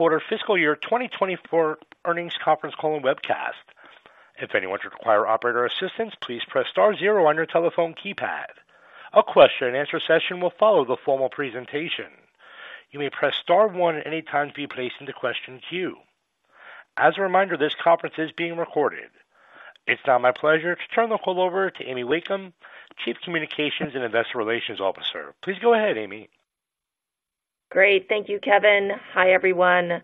Quarter Fiscal Year 2024 Earnings Conference Call and Webcast. If anyone should require operator assistance, please press star zero on your telephone keypad. A question and answer session will follow the formal presentation. You may press star one at any time to be placed in the question queue. As a reminder, this conference is being recorded. It's now my pleasure to turn the call over to Amy Wakim, Chief Communications and Investor Relations Officer. Please go ahead, Amy. Great. Thank you, Kevin. Hi, everyone.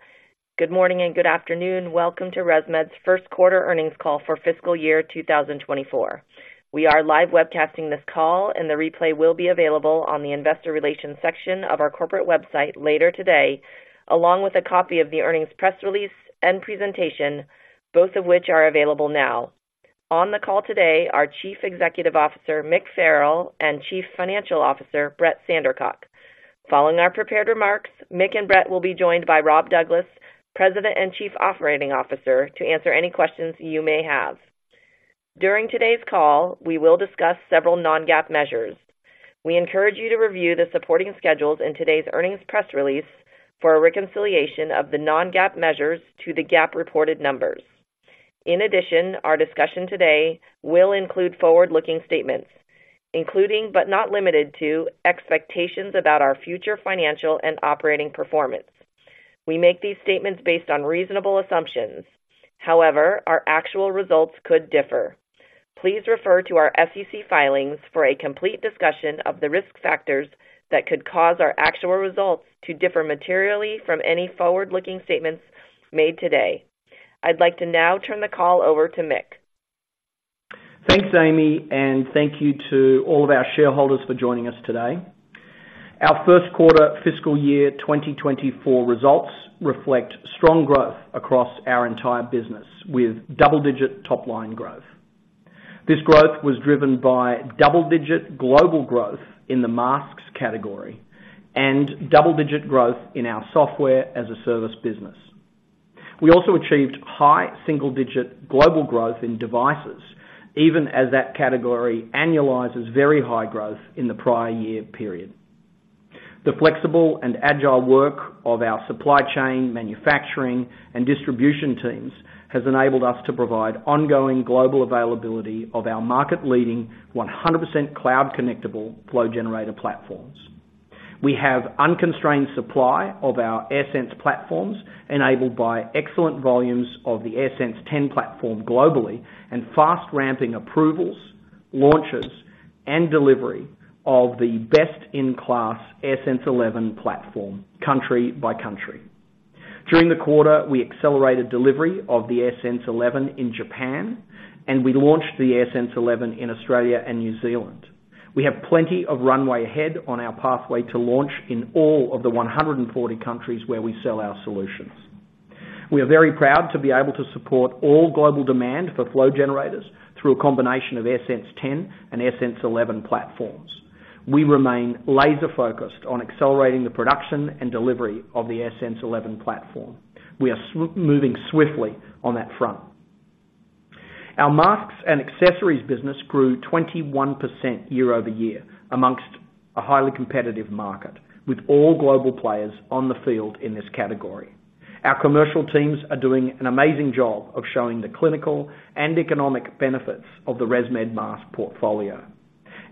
Good morning, and good afternoon. Welcome to ResMed's first quarter earnings call for fiscal year 2024. We are live webcasting this call, and the replay will be available on the investor relations section of our corporate website later today, along with a copy of the earnings press release and presentation, both of which are available now. On the call today, our Chief Executive Officer, Mick Farrell, and Chief Financial Officer, Brett Sandercock. Following our prepared remarks, Mick and Brett will be joined by Rob Douglas, President and Chief Operating Officer, to answer any questions you may have. During today's call, we will discuss several non-GAAP measures. We encourage you to review the supporting schedules in today's earnings press release for a reconciliation of the non-GAAP measures to the GAAP reported numbers. In addition, our discussion today will include forward-looking statements, including, but not limited to, expectations about our future financial and operating performance. We make these statements based on reasonable assumptions. However, our actual results could differ. Please refer to our SEC filings for a complete discussion of the risk factors that could cause our actual results to differ materially from any forward-looking statements made today. I'd like to now turn the call over to Mick. Thanks, Amy, and thank you to all of our shareholders for joining us today. Our first quarter fiscal year 2024 results reflect strong growth across our entire business, with double-digit top-line growth. This growth was driven by double-digit global growth in the masks category and double-digit growth in our software as a service business. We also achieved high single-digit global growth in devices, even as that category annualizes very high growth in the prior year period. The flexible and agile work of our supply chain, manufacturing, and distribution teams has enabled us to provide ongoing global availability of our market-leading, 100% cloud connectable flow generator platforms. We have unconstrained supply of our AirSense platforms, enabled by excellent volumes of the AirSense 10 platform globally and fast ramping approvals, launches, and delivery of the best-in-class AirSense 11 platform, country by country. During the quarter, we accelerated delivery of the AirSense 11 in Japan, and we launched the AirSense 11 in Australia and New Zealand. We have plenty of runway ahead on our pathway to launch in all of the 140 countries where we sell our solutions. We are very proud to be able to support all global demand for flow generators through a combination of AirSense 10 and AirSense 11 platforms. We remain laser-focused on accelerating the production and delivery of the AirSense 11 platform. We are moving swiftly on that front. Our masks and accessories business grew 21% year-over-year, among a highly competitive market, with all global players on the field in this category. Our commercial teams are doing an amazing job of showing the clinical and economic benefits of the ResMed mask portfolio.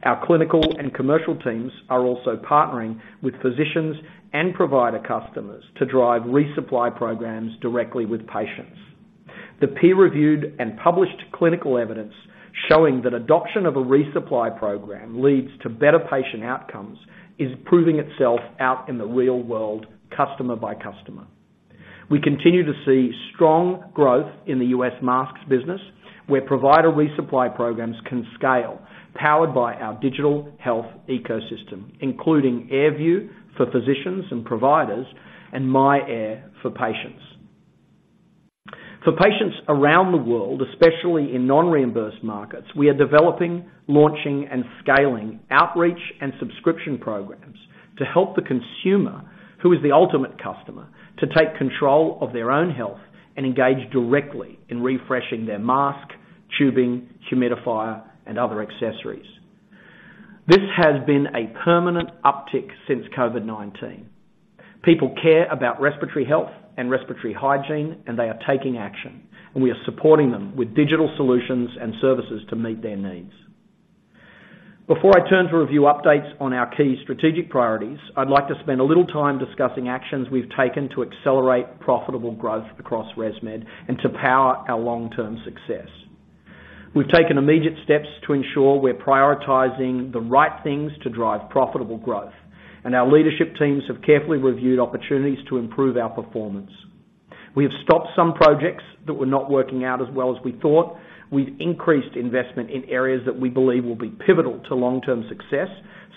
Our clinical and commercial teams are also partnering with physicians and provider customers to drive resupply programs directly with patients. The peer-reviewed and published clinical evidence showing that adoption of a resupply program leads to better patient outcomes is proving itself out in the real world, customer by customer. We continue to see strong growth in the U.S. masks business, where provider resupply programs can scale, powered by our digital health ecosystem, including AirView for physicians and providers, and myAir for patients. For patients around the world, especially in non-reimbursed markets, we are developing, launching, and scaling outreach and subscription programs to help the consumer, who is the ultimate customer, to take control of their own health and engage directly in refreshing their mask, tubing, humidifier, and other accessories. This has been a permanent uptick since COVID-19. People care about respiratory health and respiratory hygiene, and they are taking action, and we are supporting them with digital solutions and services to meet their needs. Before I turn to review updates on our key strategic priorities, I'd like to spend a little time discussing actions we've taken to accelerate profitable growth across ResMed and to power our long-term success. We've taken immediate steps to ensure we're prioritizing the right things to drive profitable growth, and our leadership teams have carefully reviewed opportunities to improve our performance. We have stopped some projects that were not working out as well as we thought. We've increased investment in areas that we believe will be pivotal to long-term success,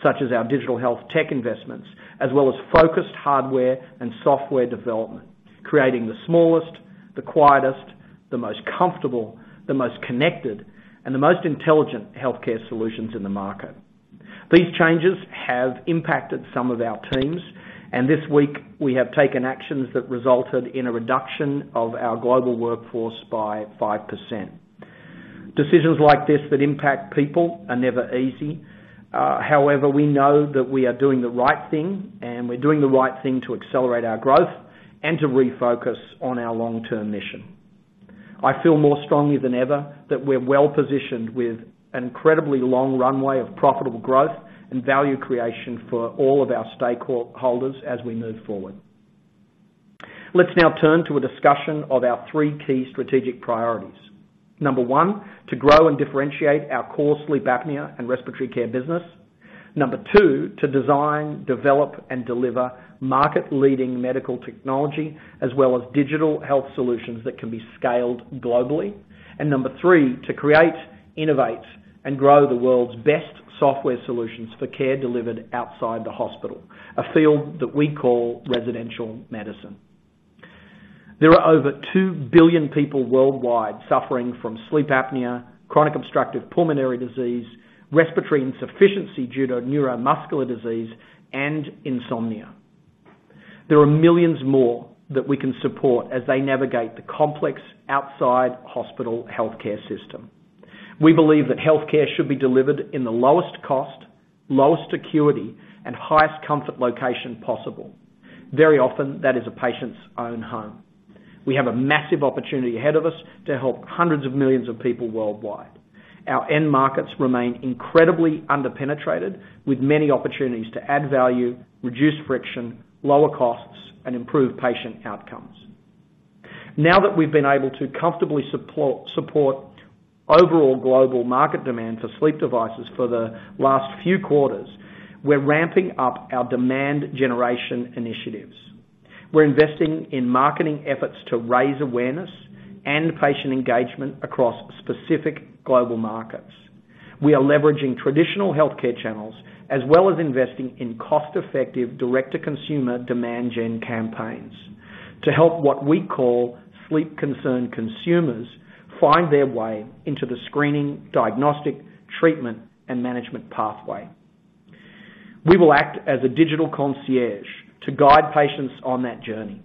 such as our digital health tech investments, as well as focused hardware and software development, creating the smallest, the quietest, the most comfortable, the most connected, and the most intelligent healthcare solutions in the market. These changes have impacted some of our teams, and this week, we have taken actions that resulted in a reduction of our global workforce by 5%. Decisions like this that impact people are never easy. However, we know that we are doing the right thing, and we're doing the right thing to accelerate our growth and to refocus on our long-term mission. I feel more strongly than ever that we're well positioned with an incredibly long runway of profitable growth and value creation for all of our stakeholders as we move forward. Let's now turn to a discussion of our 3 key strategic priorities. Number 1, to grow and differentiate our core sleep apnea and respiratory care business. Number 2, to design, develop, and deliver market-leading medical technology, as well as digital health solutions that can be scaled globally. Number 3, to create, innovate, and grow the world's best software solutions for care delivered outside the hospital, a field that we call residential medicine. There are over 2 billion people worldwide suffering from sleep apnea, chronic obstructive pulmonary disease, respiratory insufficiency due to neuromuscular disease, and insomnia. There are millions more that we can support as they navigate the complex outside hospital healthcare system. We believe that healthcare should be delivered in the lowest cost, lowest acuity, and highest comfort location possible. Very often, that is a patient's own home. We have a massive opportunity ahead of us to help hundreds of millions of people worldwide. Our end markets remain incredibly underpenetrated, with many opportunities to add value, reduce friction, lower costs, and improve patient outcomes. Now that we've been able to comfortably support overall global market demand for sleep devices for the last few quarters, we're ramping up our demand generation initiatives. We're investing in marketing efforts to raise awareness and patient engagement across specific global markets. We are leveraging traditional healthcare channels, as well as investing in cost-effective, direct-to-consumer demand gen campaigns, to help what we call sleep-concerned consumers, find their way into the screening, diagnostic, treatment, and management pathway. We will act as a digital concierge to guide patients on that journey.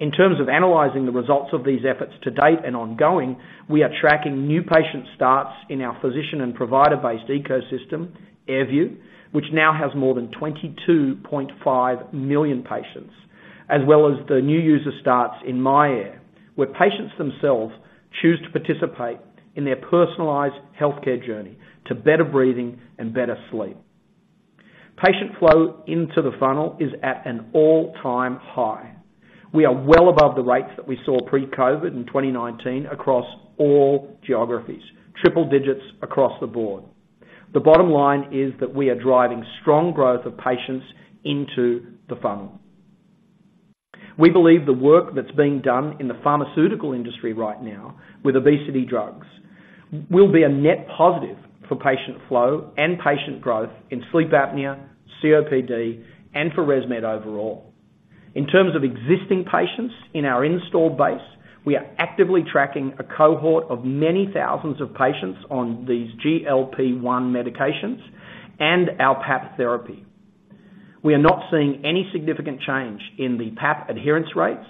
In terms of analyzing the results of these efforts to date and ongoing, we are tracking new patient starts in our physician and provider-based ecosystem, AirView, which now has more than 22.5 million patients, as well as the new user starts in myAir, where patients themselves choose to participate in their personalized healthcare journey to better breathing and better sleep. Patient flow into the funnel is at an all-time high. We are well above the rates that we saw pre-COVID in 2019 across all geographies, triple digits across the board. The bottom line is that we are driving strong growth of patients into the funnel. We believe the work that's being done in the pharmaceutical industry right now with obesity drugs, will be a net positive for patient flow and patient growth in sleep apnea, COPD, and for ResMed overall. In terms of existing patients in our installed base, we are actively tracking a cohort of many thousands of patients on these GLP-1 medications and our PAP therapy. We are not seeing any significant change in the PAP adherence rates,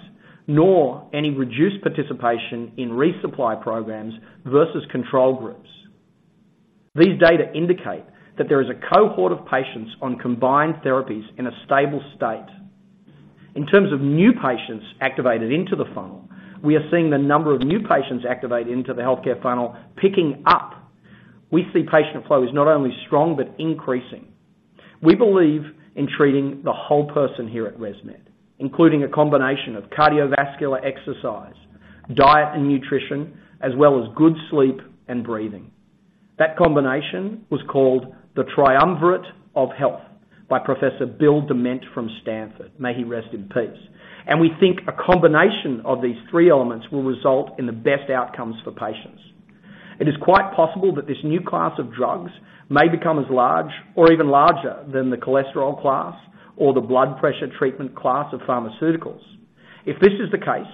nor any reduced participation in resupply programs versus control groups. These data indicate that there is a cohort of patients on combined therapies in a stable state. In terms of new patients activated into the funnel, we are seeing the number of new patients activate into the healthcare funnel picking up. We see patient flow is not only strong, but increasing. We believe in treating the whole person here at ResMed, including a combination of cardiovascular exercise, diet and nutrition, as well as good sleep and breathing. That combination was called the triumvirate of health by Professor Bill Dement from Stanford. May he rest in peace. We think a combination of these three elements will result in the best outcomes for patients. It is quite possible that this new class of drugs may become as large or even larger than the cholesterol class or the blood pressure treatment class of pharmaceuticals. If this is the case,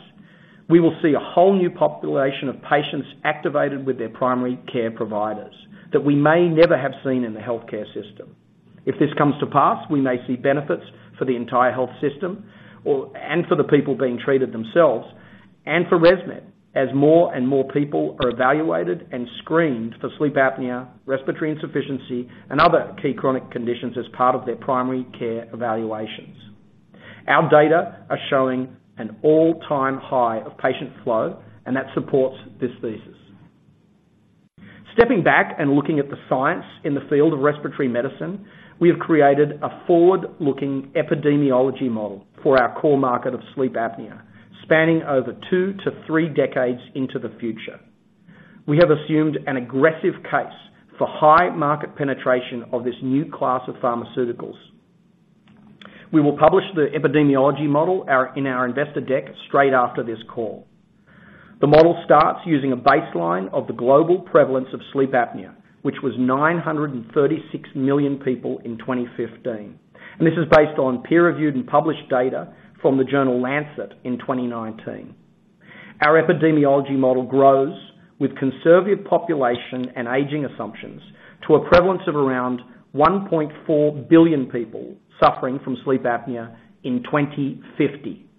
we will see a whole new population of patients activated with their primary care providers that we may never have seen in the healthcare system. If this comes to pass, we may see benefits for the entire health system or, and for the people being treated themselves, and for ResMed, as more and more people are evaluated and screened for sleep apnea, respiratory insufficiency, and other key chronic conditions as part of their primary care evaluations. Our data are showing an all-time high of patient flow, and that supports this thesis. Stepping back and looking at the science in the field of respiratory medicine, we have created a forward-looking epidemiology model for our core market of sleep apnea, spanning over 2-3 decades into the future. We have assumed an aggressive case for high market penetration of this new class of pharmaceuticals. We will publish the epidemiology model in our investor deck straight after this call. The model starts using a baseline of the global prevalence of sleep apnea, which was 936 million people in 2015, and this is based on peer-reviewed and published data from the journal Lancet in 2019. Our epidemiology model grows with conservative population and aging assumptions to a prevalence of around 1.4 billion people suffering from sleep apnea in 2050.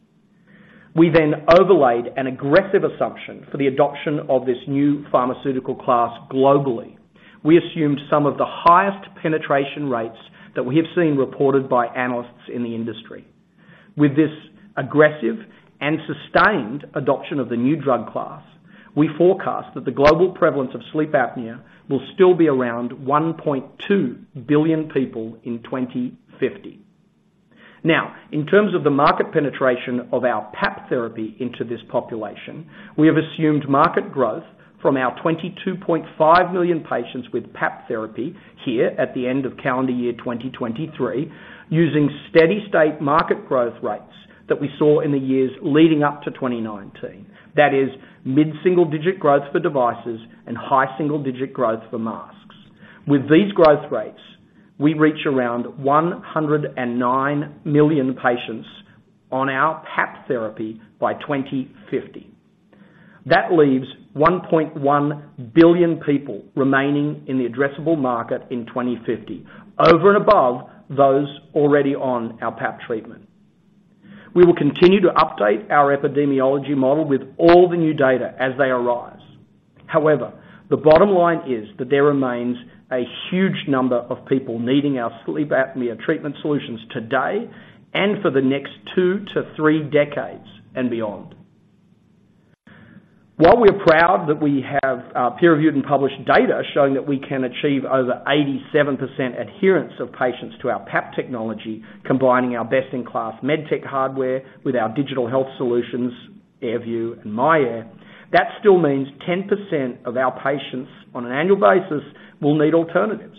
We then overlaid an aggressive assumption for the adoption of this new pharmaceutical class globally. We assumed some of the highest penetration rates that we have seen reported by analysts in the industry. With this aggressive and sustained adoption of the new drug class, we forecast that the global prevalence of sleep apnea will still be around 1.2 billion people in 2050. Now, in terms of the market penetration of our PAP therapy into this population, we have assumed market growth from our 22.5 million patients with PAP therapy here at the end of calendar year 2023, using steady state market growth rates that we saw in the years leading up to 2019. That is, mid-single digit growth for devices and high single digit growth for masks. With these growth rates, we reach around 109 million patients on our PAP therapy by 2050. That leaves 1.1 billion people remaining in the addressable market in 2050, over and above those already on our PAP treatment. We will continue to update our epidemiology model with all the new data as they arise. However, the bottom line is that there remains a huge number of people needing our sleep apnea treatment solutions today and for the next two to three decades and beyond. While we're proud that we have peer-reviewed and published data showing that we can achieve over 87% adherence of patients to our PAP technology, combining our best-in-class medtech hardware with our digital health solutions, AirView and myAir, that still means 10% of our patients on an annual basis will need alternatives.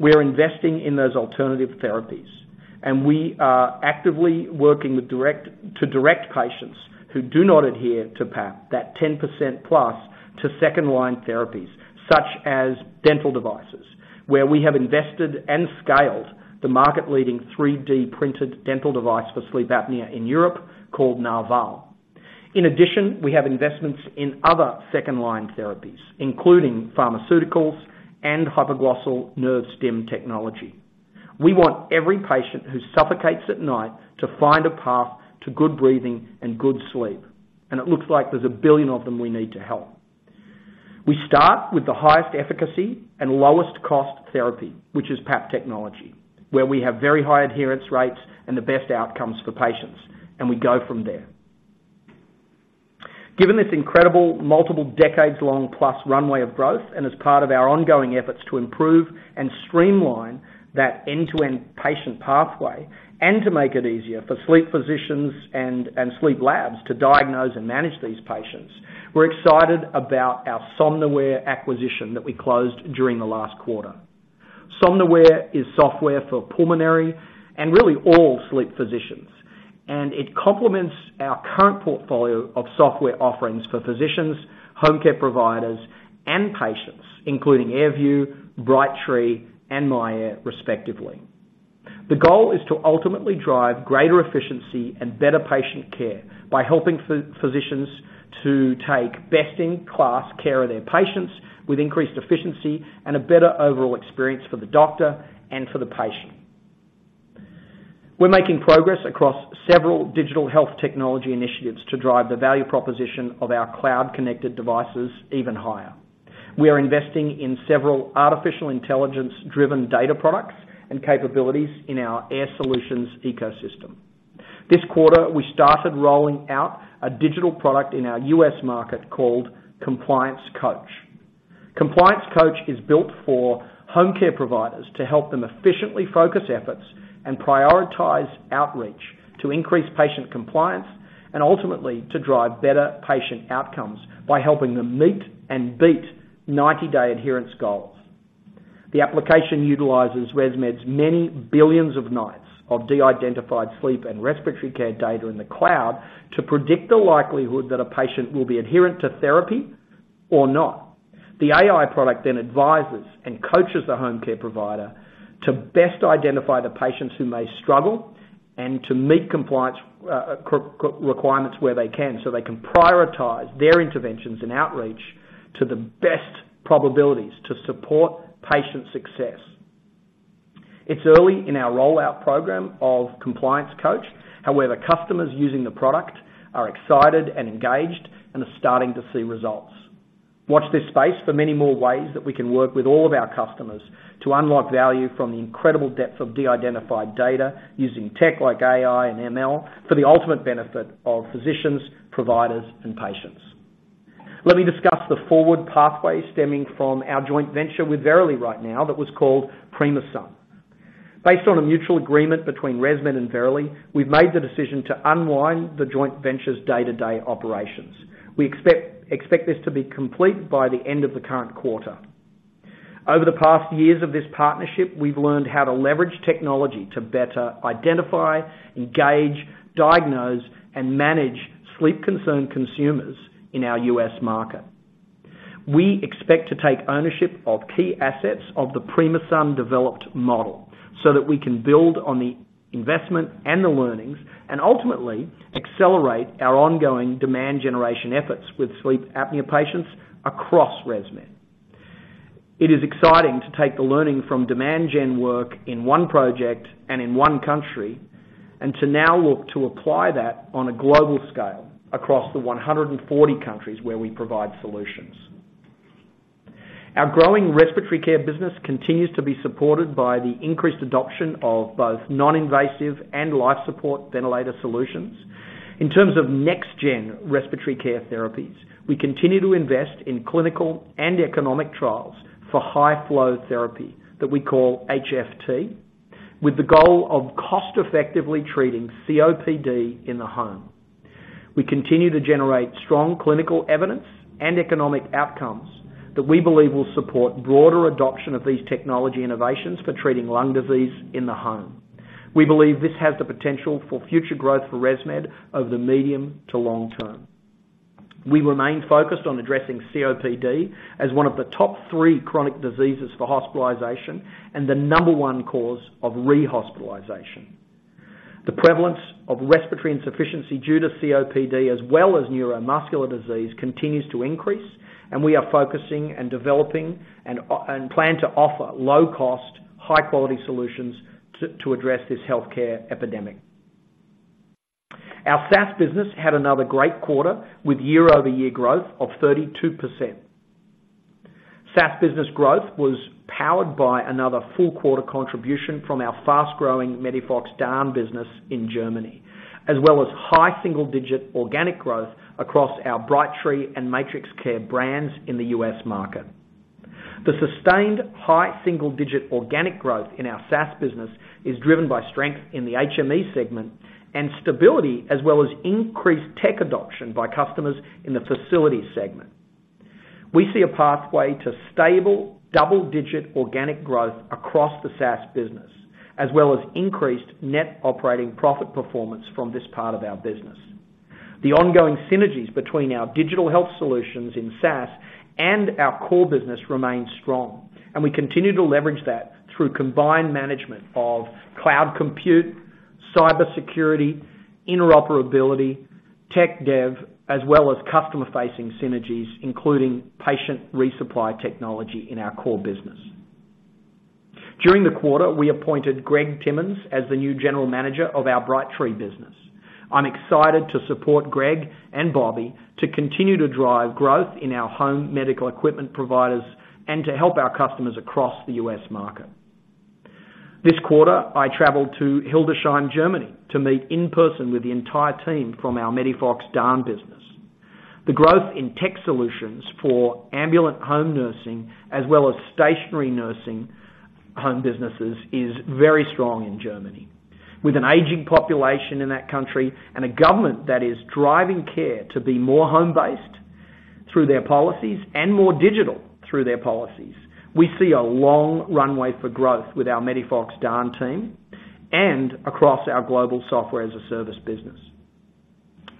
We are investing in those alternative therapies, and we are actively working with direct—to direct patients who do not adhere to PAP, that 10% plus, to second-line therapies such as dental devices, where we have invested and scaled the market-leading 3D printed dental device for sleep apnea in Europe called Narval. In addition, we have investments in other second-line therapies, including pharmaceuticals and hypoglossal nerve stim technology. We want every patient who suffocates at night to find a path to good breathing and good sleep, and it looks like there's a billion of them we need to help. We start with the highest efficacy and lowest cost therapy, which is PAP technology, where we have very high adherence rates and the best outcomes for patients, and we go from there. Given this incredible multiple decades-long plus runway of growth, and as part of our ongoing efforts to improve and streamline that end-to-end patient pathway, and to make it easier for sleep physicians and sleep labs to diagnose and manage these patients, we're excited about our Somnoware acquisition that we closed during the last quarter. Somnoware is software for pulmonary and really all sleep physicians, and it complements our current portfolio of software offerings for physicians, home care providers, and patients, including AirView, Brightree, and myAir, respectively. The goal is to ultimately drive greater efficiency and better patient care by helping physicians to take best-in-class care of their patients with increased efficiency and a better overall experience for the doctor and for the patient. We're making progress across several digital health technology initiatives to drive the value proposition of our cloud-connected devices even higher. We are investing in several artificial intelligence-driven data products and capabilities in our Air Solutions ecosystem. This quarter, we started rolling out a digital product in our U.S. market called Compliance Coach. Compliance Coach is built for home care providers to help them efficiently focus efforts and prioritize outreach, to increase patient compliance, and ultimately, to drive better patient outcomes by helping them meet and beat 90-day adherence goals. The application utilizes ResMed's many billions of nights of de-identified sleep and respiratory care data in the cloud to predict the likelihood that a patient will be adherent to therapy or not. The AI product then advises and coaches the home care provider to best identify the patients who may struggle and to meet compliance requirements where they can, so they can prioritize their interventions and outreach to the best probabilities to support patient success. It's early in our rollout program of Compliance Coach. However, customers using the product are excited and engaged and are starting to see results. Watch this space for many more ways that we can work with all of our customers to unlock value from the incredible depth of de-identified data using tech like AI and ML for the ultimate benefit of physicians, providers, and patients. Let me discuss the forward pathway stemming from our joint venture with Verily right now, that was called Primasun. Based on a mutual agreement between ResMed and Verily, we've made the decision to unwind the joint venture's day-to-day operations. We expect this to be complete by the end of the current quarter. Over the past years of this partnership, we've learned how to leverage technology to better identify, engage, diagnose, and manage sleep-concerned consumers in our U.S. market. We expect to take ownership of key assets of the Primasun-developed model, so that we can build on the investment and the learnings, and ultimately accelerate our ongoing demand generation efforts with sleep apnea patients across ResMed. It is exciting to take the learning from demand gen work in one project and in one country, and to now look to apply that on a global scale across the 140 countries where we provide solutions. Our growing respiratory care business continues to be supported by the increased adoption of both non-invasive and life support ventilator solutions. In terms of next gen respiratory care therapies, we continue to invest in clinical and economic trials for high flow therapy that we call HFT, with the goal of cost-effectively treating COPD in the home. We continue to generate strong clinical evidence and economic outcomes that we believe will support broader adoption of these technology innovations for treating lung disease in the home. We believe this has the potential for future growth for ResMed over the medium to long term. We remain focused on addressing COPD as one of the top three chronic diseases for hospitalization and the number one cause of rehospitalization. The prevalence of respiratory insufficiency due to COPD, as well as neuromuscular disease, continues to increase, and we are focusing and developing and plan to offer low-cost, high-quality solutions to address this healthcare epidemic. Our SaaS business had another great quarter, with year-over-year growth of 32%. SaaS business growth was powered by another full quarter contribution from our fast-growing MEDIFOX DAN business in Germany, as well as high single-digit organic growth across our Brightree and MatrixCare brands in the U.S. market. The sustained high single-digit organic growth in our SaaS business is driven by strength in the HME segment and stability, as well as increased tech adoption by customers in the facilities segment. We see a pathway to stable, double-digit organic growth across the SaaS business, as well as increased net operating profit performance from this part of our business. The ongoing synergies between our digital health solutions in SaaS and our core business remain strong, and we continue to leverage that through combined management of cloud compute, cybersecurity, interoperability, tech dev, as well as customer-facing synergies, including patient resupply technology in our core business. During the quarter, we appointed Greg Timmons as the new general manager of our Brightree business. I'm excited to support Greg and Bobby to continue to drive growth in our home medical equipment providers and to help our customers across the U.S. market. This quarter, I traveled to Hildesheim, Germany, to meet in person with the entire team from our MEDIFOX DAN business. The growth in tech solutions for ambulant home nursing, as well as stationary nursing home businesses, is very strong in Germany. With an aging population in that country and a government that is driving care to be more home-based through their policies and more digital through their policies, we see a long runway for growth with our MEDIFOX DAN team and across our global software as a service business.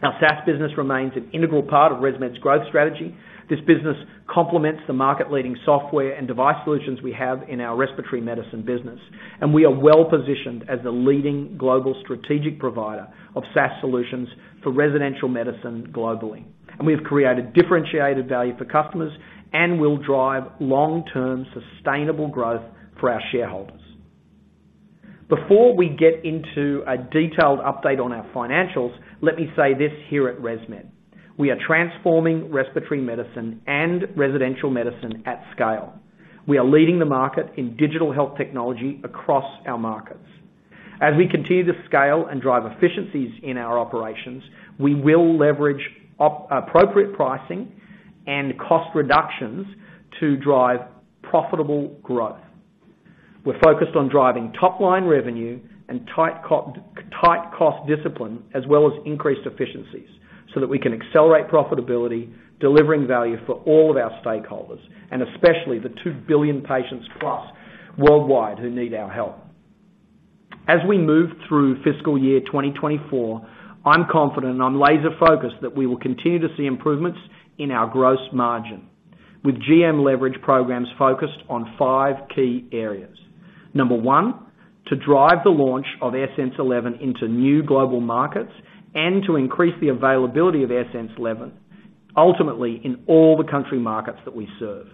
Our SaaS business remains an integral part of ResMed's growth strategy. This business complements the market-leading software and device solutions we have in our respiratory medicine business, and we are well positioned as the leading global strategic provider of SaaS solutions for respiratory medicine globally. We have created differentiated value for customers and will drive long-term, sustainable growth for our shareholders. Before we get into a detailed update on our financials, let me say this here at ResMed: we are transforming respiratory medicine and respiratory medicine at scale. We are leading the market in digital health technology across our markets. As we continue to scale and drive efficiencies in our operations, we will leverage appropriate pricing and cost reductions to drive profitable growth. We're focused on driving top-line revenue and tight cost discipline, as well as increased efficiencies, so that we can accelerate profitability, delivering value for all of our stakeholders, and especially the 2 billion patients plus worldwide who need our help. As we move through fiscal year 2024, I'm confident and I'm laser-focused that we will continue to see improvements in our gross margin, with GM leverage programs focused on five key areas. Number one, to drive the launch of AirSense 11 into new global markets and to increase the availability of AirSense 11, ultimately, in all the country markets that we serve.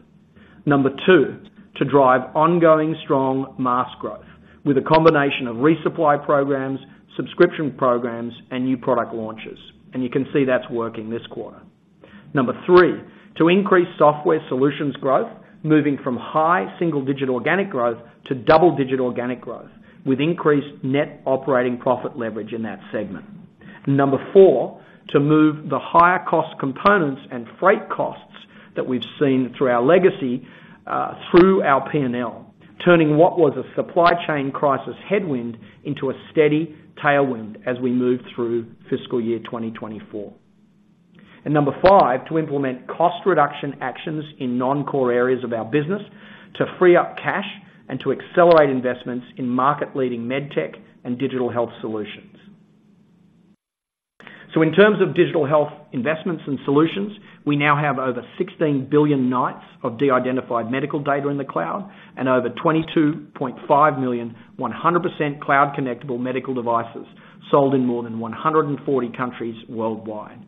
Number two, to drive ongoing strong mask growth with a combination of resupply programs, subscription programs, and new product launches. And you can see that's working this quarter. Number 3, to increase software solutions growth, moving from high single-digit organic growth to double-digit organic growth, with increased net operating profit leverage in that segment. Number 4, to move the higher cost components and freight costs that we've seen through our legacy, through our P&L, turning what was a supply chain crisis headwind into a steady tailwind as we move through fiscal year 2024. And number 5, to implement cost reduction actions in non-core areas of our business to free up cash and to accelerate investments in market-leading medtech and digital health solutions. So in terms of digital health investments and solutions, we now have over 16 billion nights of de-identified medical data in the cloud and over 22.5 million, 100% cloud-connectable medical devices sold in more than 140 countries worldwide....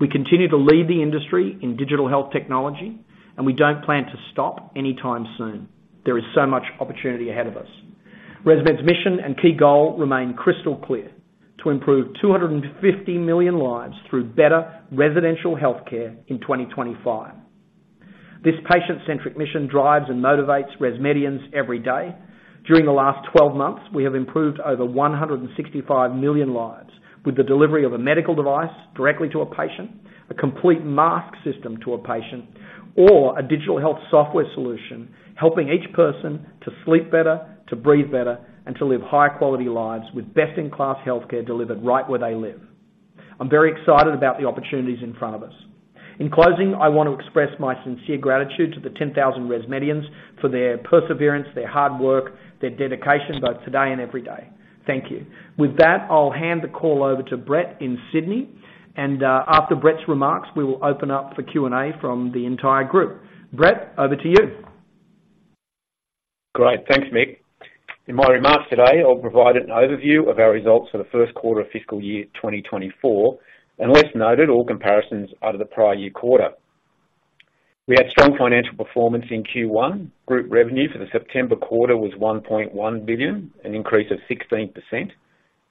We continue to lead the industry in digital health technology, and we don't plan to stop anytime soon. There is so much opportunity ahead of us. ResMed's mission and key goal remain crystal clear: to improve 250 million lives through better residential healthcare in 2025. This patient-centric mission drives and motivates ResMedians every day. During the last 12 months, we have improved over 165 million lives with the delivery of a medical device directly to a patient, a complete mask system to a patient, or a digital health software solution, helping each person to sleep better, to breathe better, and to live higher quality lives with best-in-class healthcare delivered right where they live. I'm very excited about the opportunities in front of us. In closing, I want to express my sincere gratitude to the 10,000 ResMedians for their perseverance, their hard work, their dedication, both today and every day. Thank you. With that, I'll hand the call over to Brett in Sydney, and after Brett's remarks, we will open up for Q&A from the entire group. Brett, over to you. Great. Thanks, Mick. In my remarks today, I'll provide an overview of our results for the first quarter of fiscal year 2024. Unless noted, all comparisons are to the prior year quarter. We had strong financial performance in Q1. Group revenue for the September quarter was $1.1 billion, an increase of 16%.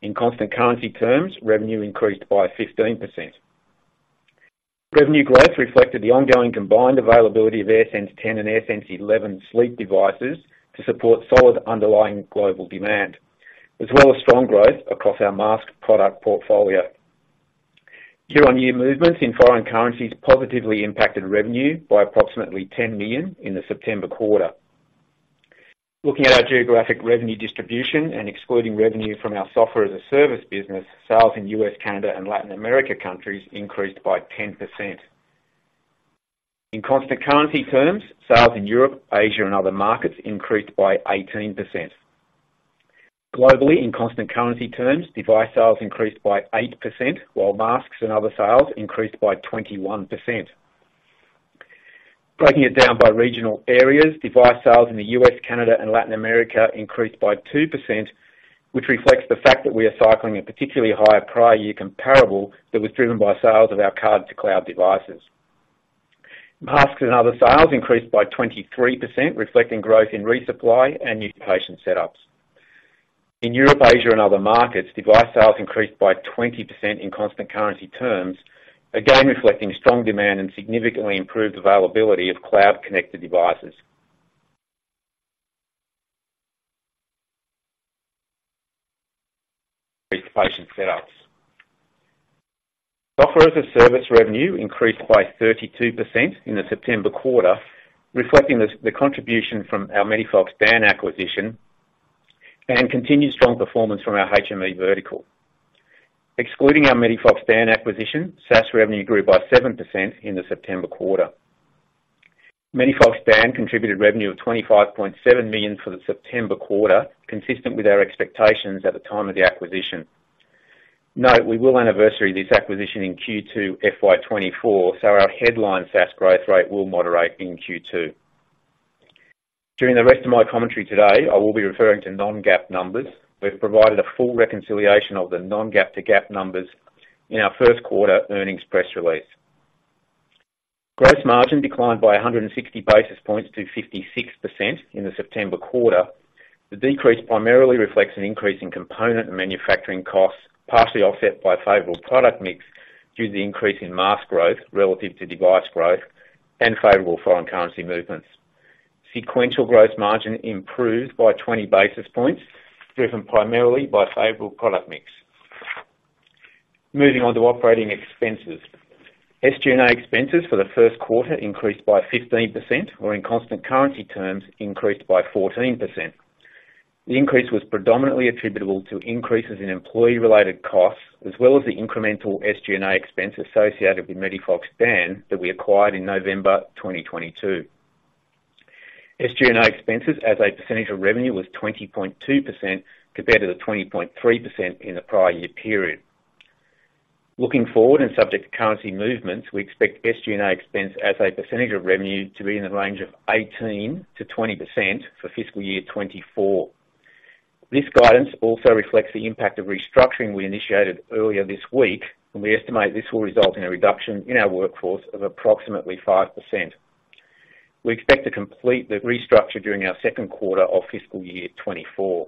In constant currency terms, revenue increased by 15%. Revenue growth reflected the ongoing combined availability of AirSense 10 and AirSense 11 sleep devices to support solid underlying global demand, as well as strong growth across our mask product portfolio. Year-on-year movements in foreign currencies positively impacted revenue by approximately $10 million in the September quarter. Looking at our geographic revenue distribution and excluding revenue from our software as a service business, sales in U.S., Canada, and Latin America countries increased by 10%. In constant currency terms, sales in Europe, Asia, and other markets increased by 18%. Globally, in constant currency terms, device sales increased by 8%, while masks and other sales increased by 21%. Breaking it down by regional areas, device sales in the U.S., Canada, and Latin America increased by 2%, which reflects the fact that we are cycling a particularly higher prior year comparable that was driven by sales of our Card-to-Cloud devices. Masks and other sales increased by 23%, reflecting growth in resupply and new patient setups. In Europe, Asia, and other markets, device sales increased by 20% in constant currency terms, again, reflecting strong demand and significantly improved availability of cloud-connected devices. These patient setups. Software as a service revenue increased by 32% in the September quarter, reflecting the contribution from our MEDIFOX DAN acquisition and continued strong performance from our HME vertical. Excluding our MEDIFOX DAN acquisition, SaaS revenue grew by 7% in the September quarter. MEDIFOX DAN contributed revenue of $25.7 million for the September quarter, consistent with our expectations at the time of the acquisition. Note: we will anniversary this acquisition in Q2 FY 2024, so our headline SaaS growth rate will moderate in Q2. During the rest of my commentary today, I will be referring to non-GAAP numbers. We've provided a full reconciliation of the non-GAAP to GAAP numbers in our first quarter earnings press release. Gross margin declined by 160 basis points to 56% in the September quarter. The decrease primarily reflects an increase in component and manufacturing costs, partially offset by favorable product mix, due to the increase in mask growth relative to device growth and favorable foreign currency movements. Sequential gross margin improved by 20 basis points, driven primarily by favorable product mix. Moving on to operating expenses. SG&A expenses for the first quarter increased by 15%, or in constant currency terms, increased by 14%. The increase was predominantly attributable to increases in employee-related costs, as well as the incremental SG&A expense associated with MEDIFOX DAN, that we acquired in November 2022. SG&A expenses as a percentage of revenue was 20.2% compared to the 20.3% in the prior year period. Looking forward, and subject to currency movements, we expect SG&A expense as a percentage of revenue to be in the range of 18%-20% for fiscal year 2024. This guidance also reflects the impact of restructuring we initiated earlier this week, and we estimate this will result in a reduction in our workforce of approximately 5%. We expect to complete the restructure during our second quarter of fiscal year 2024.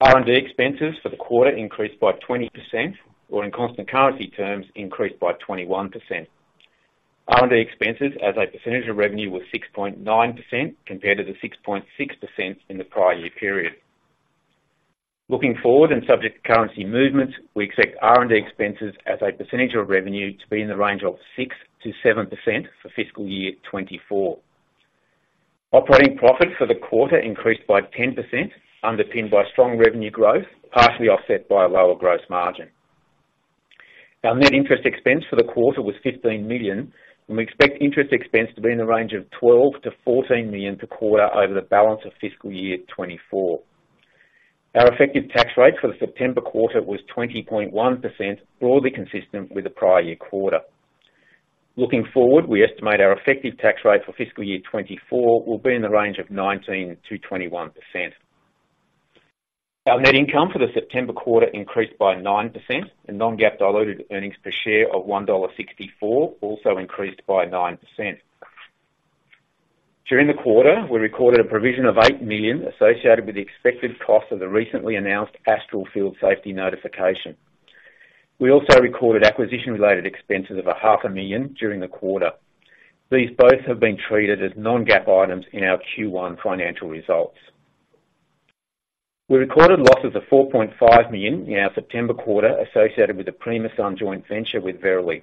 R&D expenses for the quarter increased by 20%, or in constant currency terms, increased by 21%. R&D expenses as a percentage of revenue were 6.9% compared to the 6.6% in the prior year period. Looking forward, and subject to currency movements, we expect R&D expenses as a percentage of revenue to be in the range of 6%-7% for fiscal year 2024. Operating profits for the quarter increased by 10%, underpinned by strong revenue growth, partially offset by a lower gross margin. Our net interest expense for the quarter was $15 million, and we expect interest expense to be in the range of $12 million-$14 million per quarter over the balance of fiscal year 2024. Our effective tax rate for the September quarter was 20.1%, broadly consistent with the prior year quarter. Looking forward, we estimate our effective tax rate for fiscal year 2024 will be in the range of 19%-21%. ...Our net income for the September quarter increased by 9%, and non-GAAP diluted earnings per share of $1.64, also increased by 9%. During the quarter, we recorded a provision of $8 million, associated with the expected cost of the recently announced Astral field safety notification. We also recorded acquisition-related expenses of $500,000 during the quarter. These both have been treated as non-GAAP items in our Q1 financial results. We recorded losses of $4.5 million in our September quarter, associated with the Primasun joint venture with Verily.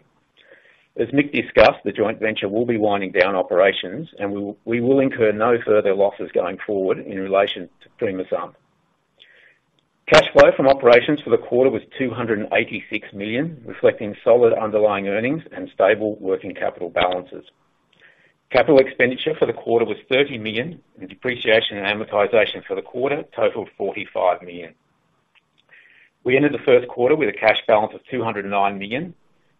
As Mick discussed, the joint venture will be winding down operations, and we will incur no further losses going forward in relation to Primasun. Cash flow from operations for the quarter was $286 million, reflecting solid underlying earnings and stable working capital balances. Capital expenditure for the quarter was $30 million, and depreciation and amortization for the quarter totaled $45 million. We ended the first quarter with a cash balance of $209 million,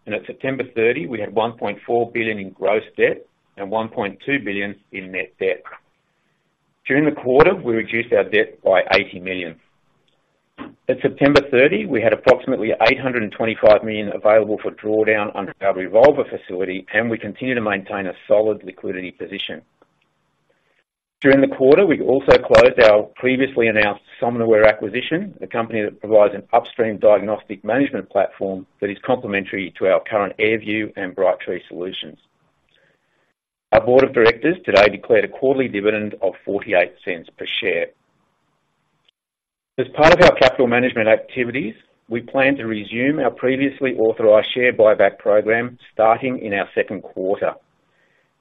and at September 30, we had $1.4 billion in gross debt and $1.2 billion in net debt. During the quarter, we reduced our debt by $80 million. At September 30, we had approximately $825 million available for drawdown on our revolving facility, and we continue to maintain a solid liquidity position. During the quarter, we also closed our previously announced Somnoware acquisition, a company that provides an upstream diagnostic management platform that is complementary to our current AirView and Brightree solutions. Our board of directors today declared a quarterly dividend of $0.48 per share. As part of our capital management activities, we plan to resume our previously authorized share buyback program starting in our second quarter.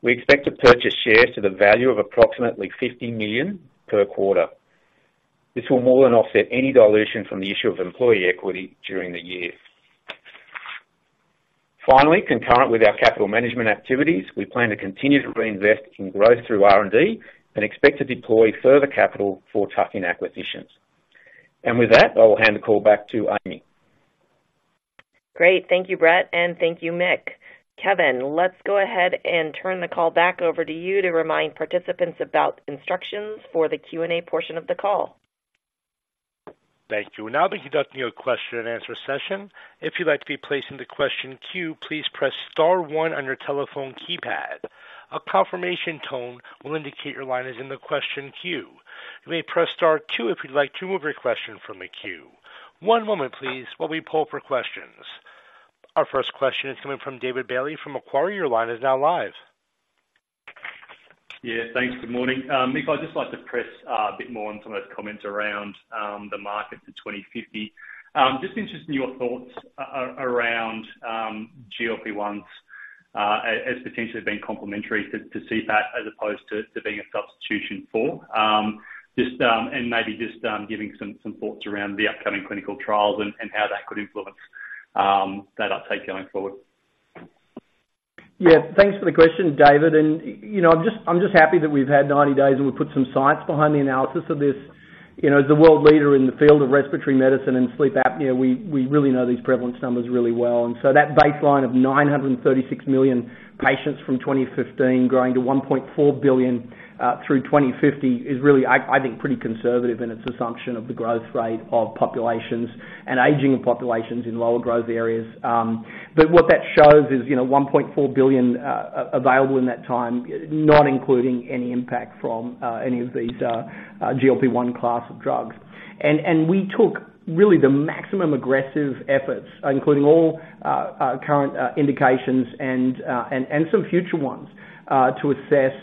We expect to purchase shares to the value of approximately $50 million per quarter. This will more than offset any dilution from the issue of employee equity during the year. Finally, concurrent with our capital management activities, we plan to continue to reinvest in growth through R&D and expect to deploy further capital for tuck-in acquisitions. With that, I'll hand the call back to Amy. Great. Thank you, Brett, and thank you, Mick. Kevin, let's go ahead and turn the call back over to you to remind participants about instructions for the Q&A portion of the call. Thank you. We'll now be conducting a question-and-answer session. If you'd like to be placed in the question queue, please press star one on your telephone keypad. A confirmation tone will indicate your line is in the question queue. You may press star two if you'd like to remove your question from the queue. One moment, please, while we pull for questions. Our first question is coming from David Bailey from Macquarie. Your line is now live. Yeah, thanks. Good morning. Mick, I'd just like to press a bit more on some of the comments around the market for 2050. Just interested in your thoughts around GLP-1s as potentially being complementary to CPAP, as opposed to being a substitution for? And maybe just giving some thoughts around the upcoming clinical trials and how that could influence that uptake going forward. Yeah, thanks for the question, David. You know, I'm just happy that we've had 90 days, and we put some science behind the analysis of this. You know, as the world leader in the field of respiratory medicine and sleep apnea, we really know these prevalence numbers really well. That baseline of 936 million patients from 2015 growing to $1.4 billion through 2050 is really, I think, pretty conservative in its assumption of the growth rate of populations and aging of populations in lower growth areas. What that shows is $1.4 billion available in that time, not including any impact from any of these GLP-1 class of drugs. We took really the maximum aggressive efforts, including all current indications and some future ones, to assess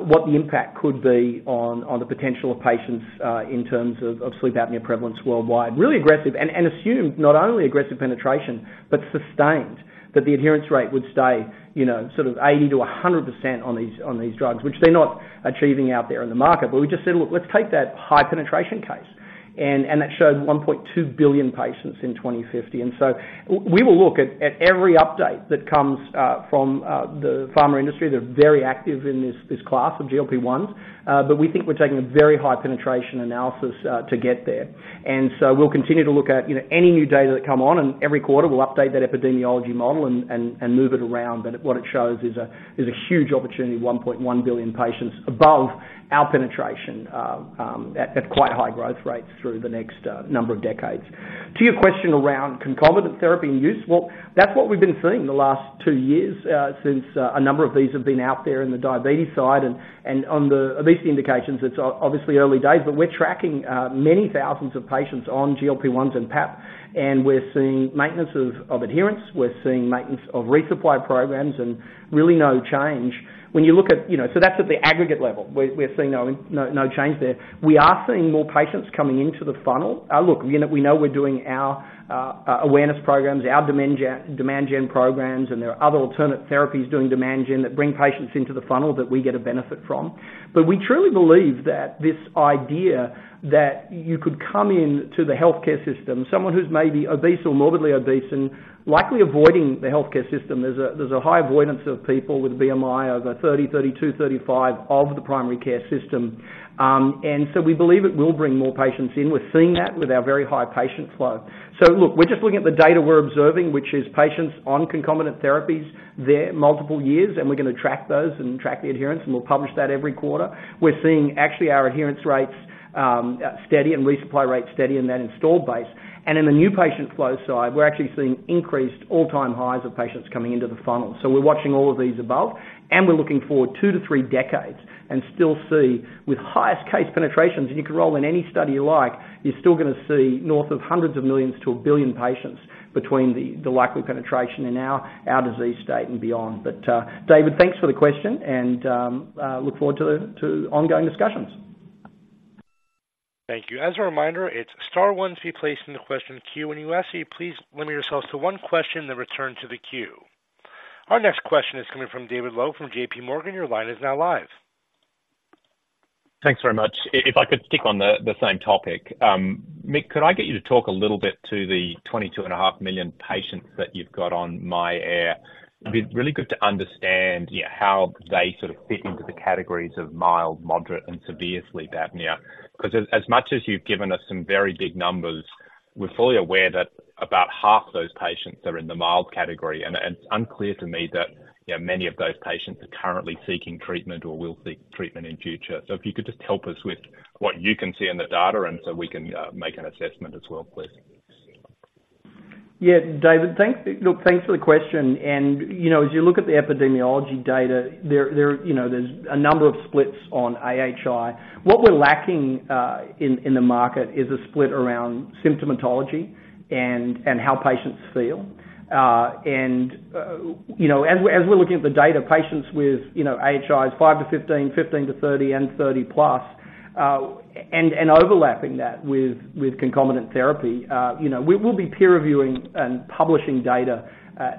what the impact could be on the potential of patients in terms of sleep apnea prevalence worldwide. Really aggressive and assumed not only aggressive penetration, but sustained, that the adherence rate would stay, you know, sort of 80%-100% on these drugs, which they're not achieving out there in the market. We just said: Look, let's take that high-penetration case, and that showed 1.2 billion patients in 2050. We will look at every update that comes from the pharma industry. They're very active in this class of GLP-1s. We think we're taking a very high-penetration analysis to get there. So we'll continue to look at, you know, any new data that come on, and every quarter, we'll update that epidemiology model and move it around. But what it shows is a huge opportunity, 1.1 billion patients above our penetration, at quite high growth rates through the next number of decades. To your question around concomitant therapy and use, well, that's what we've been seeing the last two years, since a number of these have been out there in the diabetes side. And on the... At least the indications, it's obviously early days, but we're tracking many thousands of patients on GLP-1s and PAP, and we're seeing maintenance of adherence. We're seeing maintenance of resupply programs and really no change. When you look at, you know, so that's at the aggregate level. We're seeing no change there. We are seeing more patients coming into the funnel. Look, we know we're doing our awareness programs, our demand gen, demand gen programs, and there are other alternate therapies doing demand gen that bring patients into the funnel that we get a benefit from. But we truly believe that this idea that you could come in to the healthcare system, someone who's maybe obese or morbidly obese and likely avoiding the healthcare system, there's a high avoidance of people with BMI over 30, 32, 35 of the primary care system. And so we believe it will bring more patients in. We're seeing that with our very high patient flow. So look, we're just looking at the data we're observing, which is patients on concomitant therapies there multiple years, and we're gonna track those and track the adherence, and we'll publish that every quarter. We're seeing actually our adherence rates steady and resupply rates steady in that installed base. And in the new patient flow side, we're actually seeing increased all-time highs of patients coming into the funnel. So we're watching all of these above, and we're looking forward 2-3 decades and still see with highest case penetrations, and you can roll in any study you like, you're still gonna see north of hundreds of millions to 1 billion patients between the, the likely penetration in our, our disease state and beyond. But, David, thanks for the question and look forward to, to ongoing discussions. Thank you. As a reminder, it's star one to be placed in the question queue. When you ask, you please limit yourselves to one question, then return to the queue. Our next question is coming from David Lowe from JP Morgan. Your line is now live. Thanks very much. If I could stick on the same topic, Mick, could I get you to talk a little bit to the 22.5 million patients that you've got on myAir? It'd be really good to understand, yeah, how they sort of fit into the categories of mild, moderate, and severe sleep apnea. 'Cause as much as you've given us some very big numbers, we're fully aware that about half those patients are in the mild category, and it's unclear to me that, you know, many of those patients are currently seeking treatment or will seek treatment in future. So if you could just help us with what you can see in the data, and so we can make an assessment as well, please. Yeah, David. Thanks. Look, thanks for the question, and, you know, as you look at the epidemiology data, there, you know, there's a number of splits on AHI. What we're lacking in the market is a split around symptomatology and how patients feel. And, you know, as we're looking at the data, patients with, you know, AHIs 5-15, 15-30, and 30+, and overlapping that with concomitant therapy, you know, we will be peer reviewing and publishing data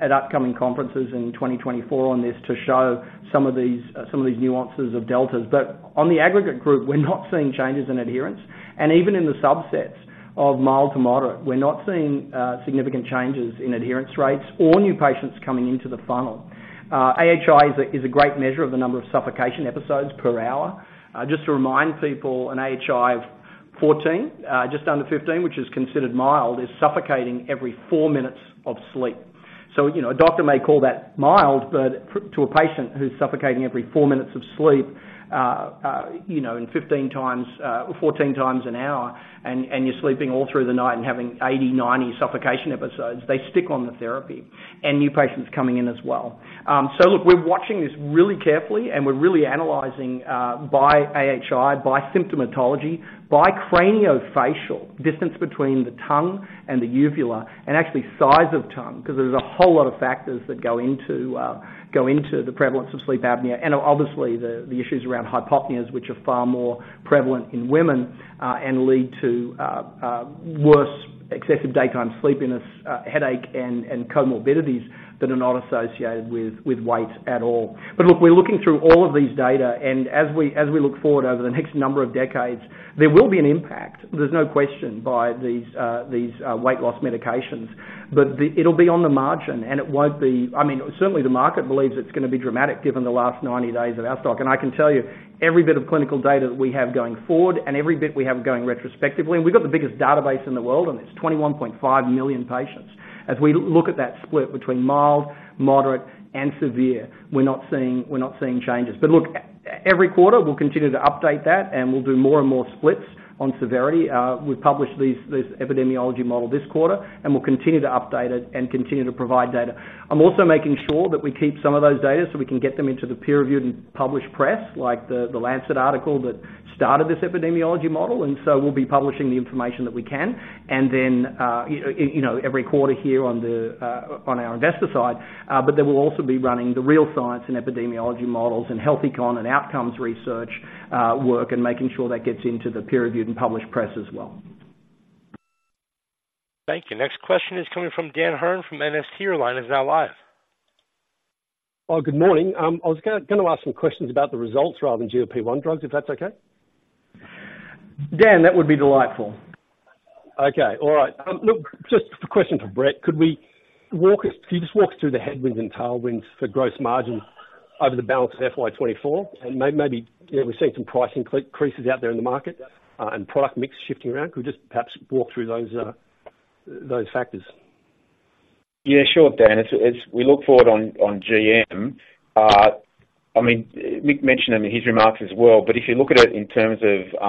at upcoming conferences in 2024 on this to show some of these nuances of deltas. But on the aggregate group, we're not seeing changes in adherence, and even in the subsets of mild to moderate, we're not seeing significant changes in adherence rates or new patients coming into the funnel. AHI is a great measure of the number of suffocation episodes per hour. Just to remind people, an AHI of 14, just under 15, which is considered mild, is suffocating every 4 minutes of sleep. So, you know, a doctor may call that mild, but to a patient who's suffocating every 4 minutes of sleep, you know, and 15 times, 14 times an hour, and you're sleeping all through the night and having 80, 90 suffocation episodes, they stick on the therapy and new patients coming in as well. So look, we're watching this really carefully, and we're really analyzing by AHI, by symptomatology, by craniofacial distance between the tongue and the uvula, and actually size of tongue, 'cause there's a whole lot of factors that go into, go into the prevalence of sleep apnea. And obviously, the issues around hypopneas, which are far more prevalent in women, and lead to worse excessive daytime sleepiness, headache, and comorbidities that are not associated with weight at all. But look, we're looking through all of these data, and as we look forward over the next number of decades, there will be an impact, there's no question, by these weight loss medications. But the... It'll be on the margin, and it won't be—I mean, certainly the market believes it's gonna be dramatic, given the last 90 days of our stock. And I can tell you, every bit of clinical data that we have going forward and every bit we have going retrospectively, and we've got the biggest database in the world on this, 21.5 million patients. As we look at that split between mild, moderate, and severe, we're not seeing, we're not seeing changes. But look, every quarter, we'll continue to update that, and we'll do more and more splits on severity. We've published this epidemiology model this quarter, and we'll continue to update it and continue to provide data. I'm also making sure that we keep some of those data, so we can get them into the peer-reviewed and published press, like The Lancet article that started this epidemiology model, and so we'll be publishing the information that we can. And then, you know, every quarter here on our investor side, but then we'll also be running the real science and epidemiology models and health econ and outcomes research work, and making sure that gets into the peer-reviewed and published press as well. Thank you. Next question is coming from Dan Hurren from MST Marquee. Your line is now live. Well, good morning. I was gonna ask some questions about the results rather than GLP-1 drugs, if that's okay? Dan, that would be delightful. Okay. All right. Look, just a question for Brett. Could you walk us through the headwinds and tailwinds for gross margin over the balance of FY 2024? Maybe, you know, we've seen some pricing increases out there in the market, and product mix shifting around. Could you just perhaps walk through those, you know, those factors? Yeah, sure, Dan. As we look forward on GM, I mean, Mick mentioned them in his remarks as well, but if you look at it in terms of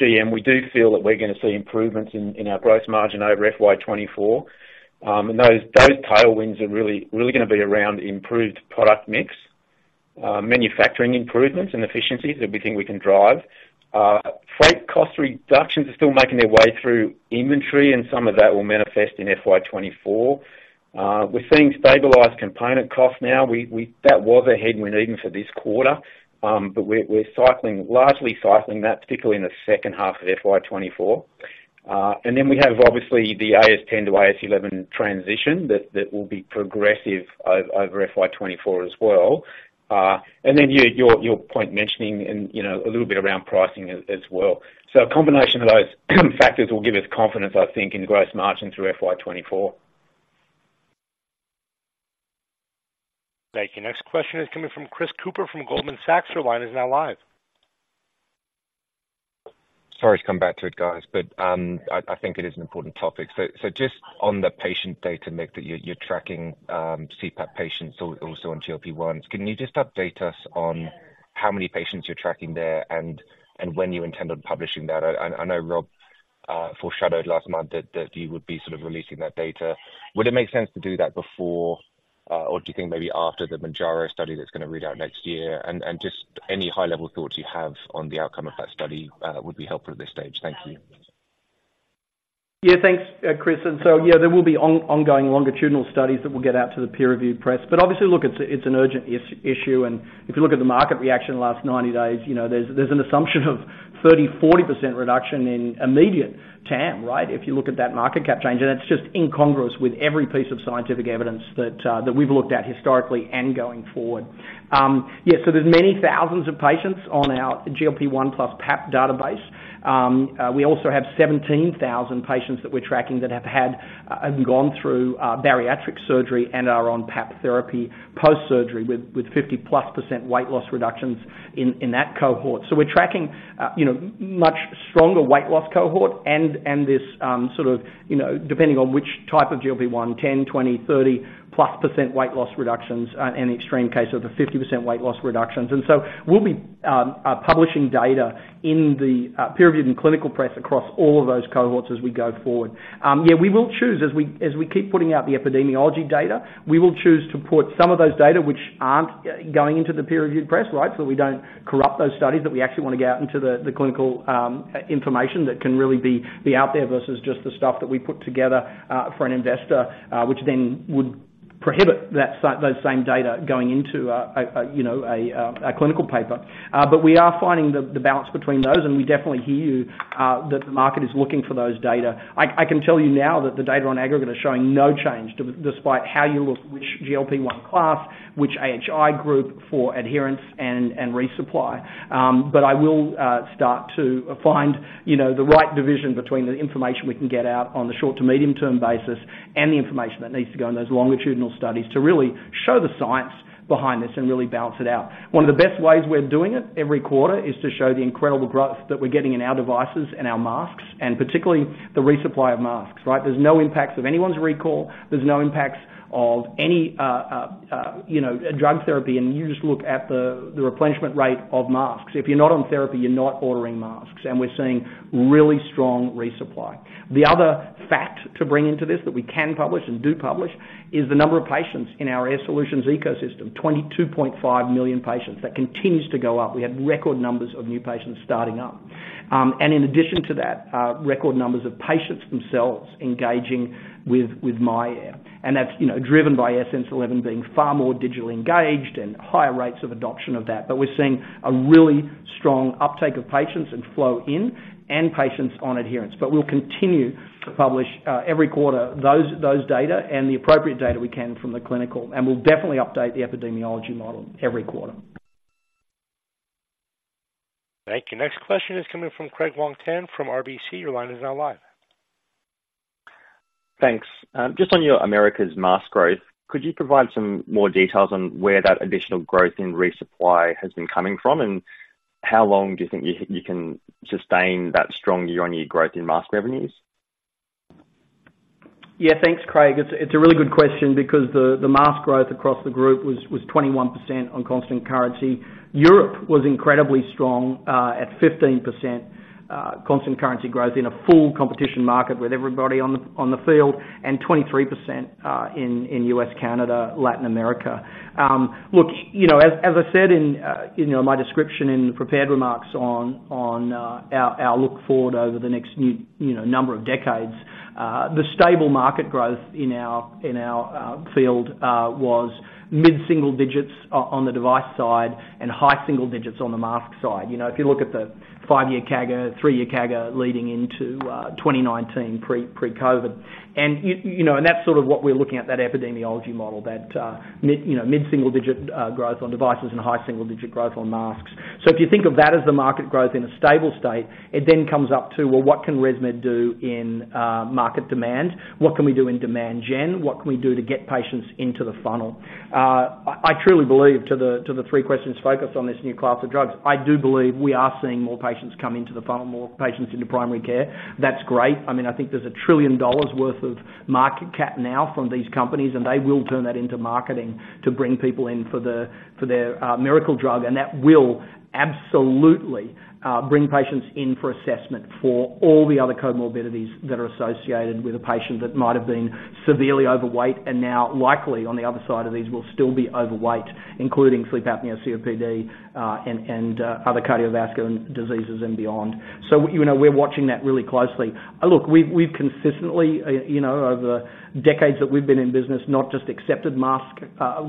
GM, we do feel that we're gonna see improvements in our gross margin over FY 2024. Those tailwinds are really, really gonna be around improved product mix, manufacturing improvements and efficiencies, everything we can drive. Freight cost reductions are still making their way through inventory, and some of that will manifest in FY 2024. We're seeing stabilized component costs now. That was a headwind even for this quarter, but we're largely cycling that, particularly in the second half of FY 2024.... and then we have obviously the AS 10 to AS 11 transition, that will be progressive over FY 2024 as well. And then your point mentioning and, you know, a little bit around pricing as well. So a combination of those factors will give us confidence, I think, in gross margin through FY 2024. Thank you. Next question is coming from Chris Cooper from Goldman Sachs. Your line is now live. Sorry to come back to it, guys, I think it is an important topic. Just on the patient data, Mick, that you're tracking, CPAP patients also on GLP-1, can you just update us on how many patients you're tracking there and when you intend on publishing that? I know Rob foreshadowed last month that he would be sort of releasing that data. Would it make sense to do that before, or do you think maybe after the Mounjaro study that's gonna read out next year? Any high-level thoughts you have on the outcome of that study would be helpful at this stage. Thank you. Yeah, thanks, Chris. And so, yeah, there will be ongoing longitudinal studies that will get out to the peer review press. But obviously, look, it's an urgent issue, and if you look at the market reaction in the last 90 days, you know, there's an assumption of 30%-40% reduction in immediate TAM, right? If you look at that market cap change, and it's just incongruous with every piece of scientific evidence that we've looked at historically and going forward. Yeah, so there's many thousands of patients on our GLP-1 plus PAP database. We also have 17,000 patients that we're tracking that have had and gone through bariatric surgery and are on PAP therapy post-surgery, with 50%+ weight loss reductions in that cohort. So we're tracking, you know, much stronger weight loss cohort and, and this, sort of, you know, depending on which type of GLP-1, 10, 20, 30+% weight loss reductions, in the extreme case of a 50% weight loss reductions. And so we'll be publishing data in the peer-reviewed and clinical press across all of those cohorts as we go forward. Yeah, we will choose as we keep putting out the epidemiology data, we will choose to put some of those data, which aren't going into the peer-reviewed press, right? So we don't corrupt those studies that we actually want to get out into the clinical information that can really be out there, versus just the stuff that we put together for an investor, which then would prohibit that same data going into a, you know, a clinical paper. But we are finding the balance between those, and we definitely hear you that the market is looking for those data. I can tell you now that the data on aggregate are showing no change, despite how you look, which GLP-1 class, which AHI group for adherence and resupply. But I will start to find, you know, the right division between the information we can get out on the short- to medium-term basis, and the information that needs to go in those longitudinal studies to really show the science behind this and really balance it out. One of the best ways we're doing it every quarter is to show the incredible growth that we're getting in our devices and our masks, and particularly the resupply of masks, right? There's no impacts of anyone's recall. There's no impacts of any, you know, drug therapy, and you just look at the replenishment rate of masks. If you're not on therapy, you're not ordering masks, and we're seeing really strong resupply. The other fact to bring into this, that we can publish and do publish, is the number of patients in our Air Solutions ecosystem, 22.5 million patients. That continues to go up. We had record numbers of new patients starting up. In addition to that, record numbers of patients themselves engaging with myAir, and that's, you know, driven by AirSense 11 being far more digitally engaged and higher rates of adoption of that. But we're seeing a really strong uptake of patients and flow in and patients on adherence. But we'll continue to publish every quarter, those data and the appropriate data we can from the clinical, and we'll definitely update the epidemiology model every quarter. Thank you. Next question is coming from Craig Wong-Pan, from RBC. Your line is now live. Thanks. Just on your Americas mask growth, could you provide some more details on where that additional growth in resupply has been coming from, and how long do you think you can sustain that strong year-on-year growth in mask revenues? Yeah, thanks, Craig. It's a really good question because the mask growth across the group was 21% on constant currency. Europe was incredibly strong at 15% constant currency growth in a full competition market with everybody on the field, and 23% in US, Canada, Latin America. Look, you know, as I said in my description in the prepared remarks on our look-forward over the next new number of decades, the stable market growth in our field was mid-single digits on the device side, and high single digits on the mask side. You know, if you look at the five-year CAGR, three-year CAGR leading into 2019 pre-COVID. And you know, and that's sort of what we're looking at, that epidemiology model, that mid, you know, mid-single digit growth on devices and high single digit growth on masks. So if you think of that as the market growth in a stable state, it then comes up to, well, what can ResMed do in market demand? What can we do in demand gen? What can we do to get patients into the funnel? I truly believe to the three questions focused on this new class of drugs, I do believe we are seeing more patients come into the funnel, more patients into primary care. That's great. I mean, I think there's $1 trillion worth of market cap now from these companies, and they will turn that into marketing to bring people in for the, for their miracle drug. And that will absolutely bring patients in for assessment for all the other comorbidities that are associated with a patient that might have been severely overweight, and now likely, on the other side of these, will still be overweight, including sleep apnea, COPD, and other cardiovascular diseases and beyond. So, you know, we're watching that really closely. Look, we've consistently, you know, over decades that we've been in business, not just accepted mask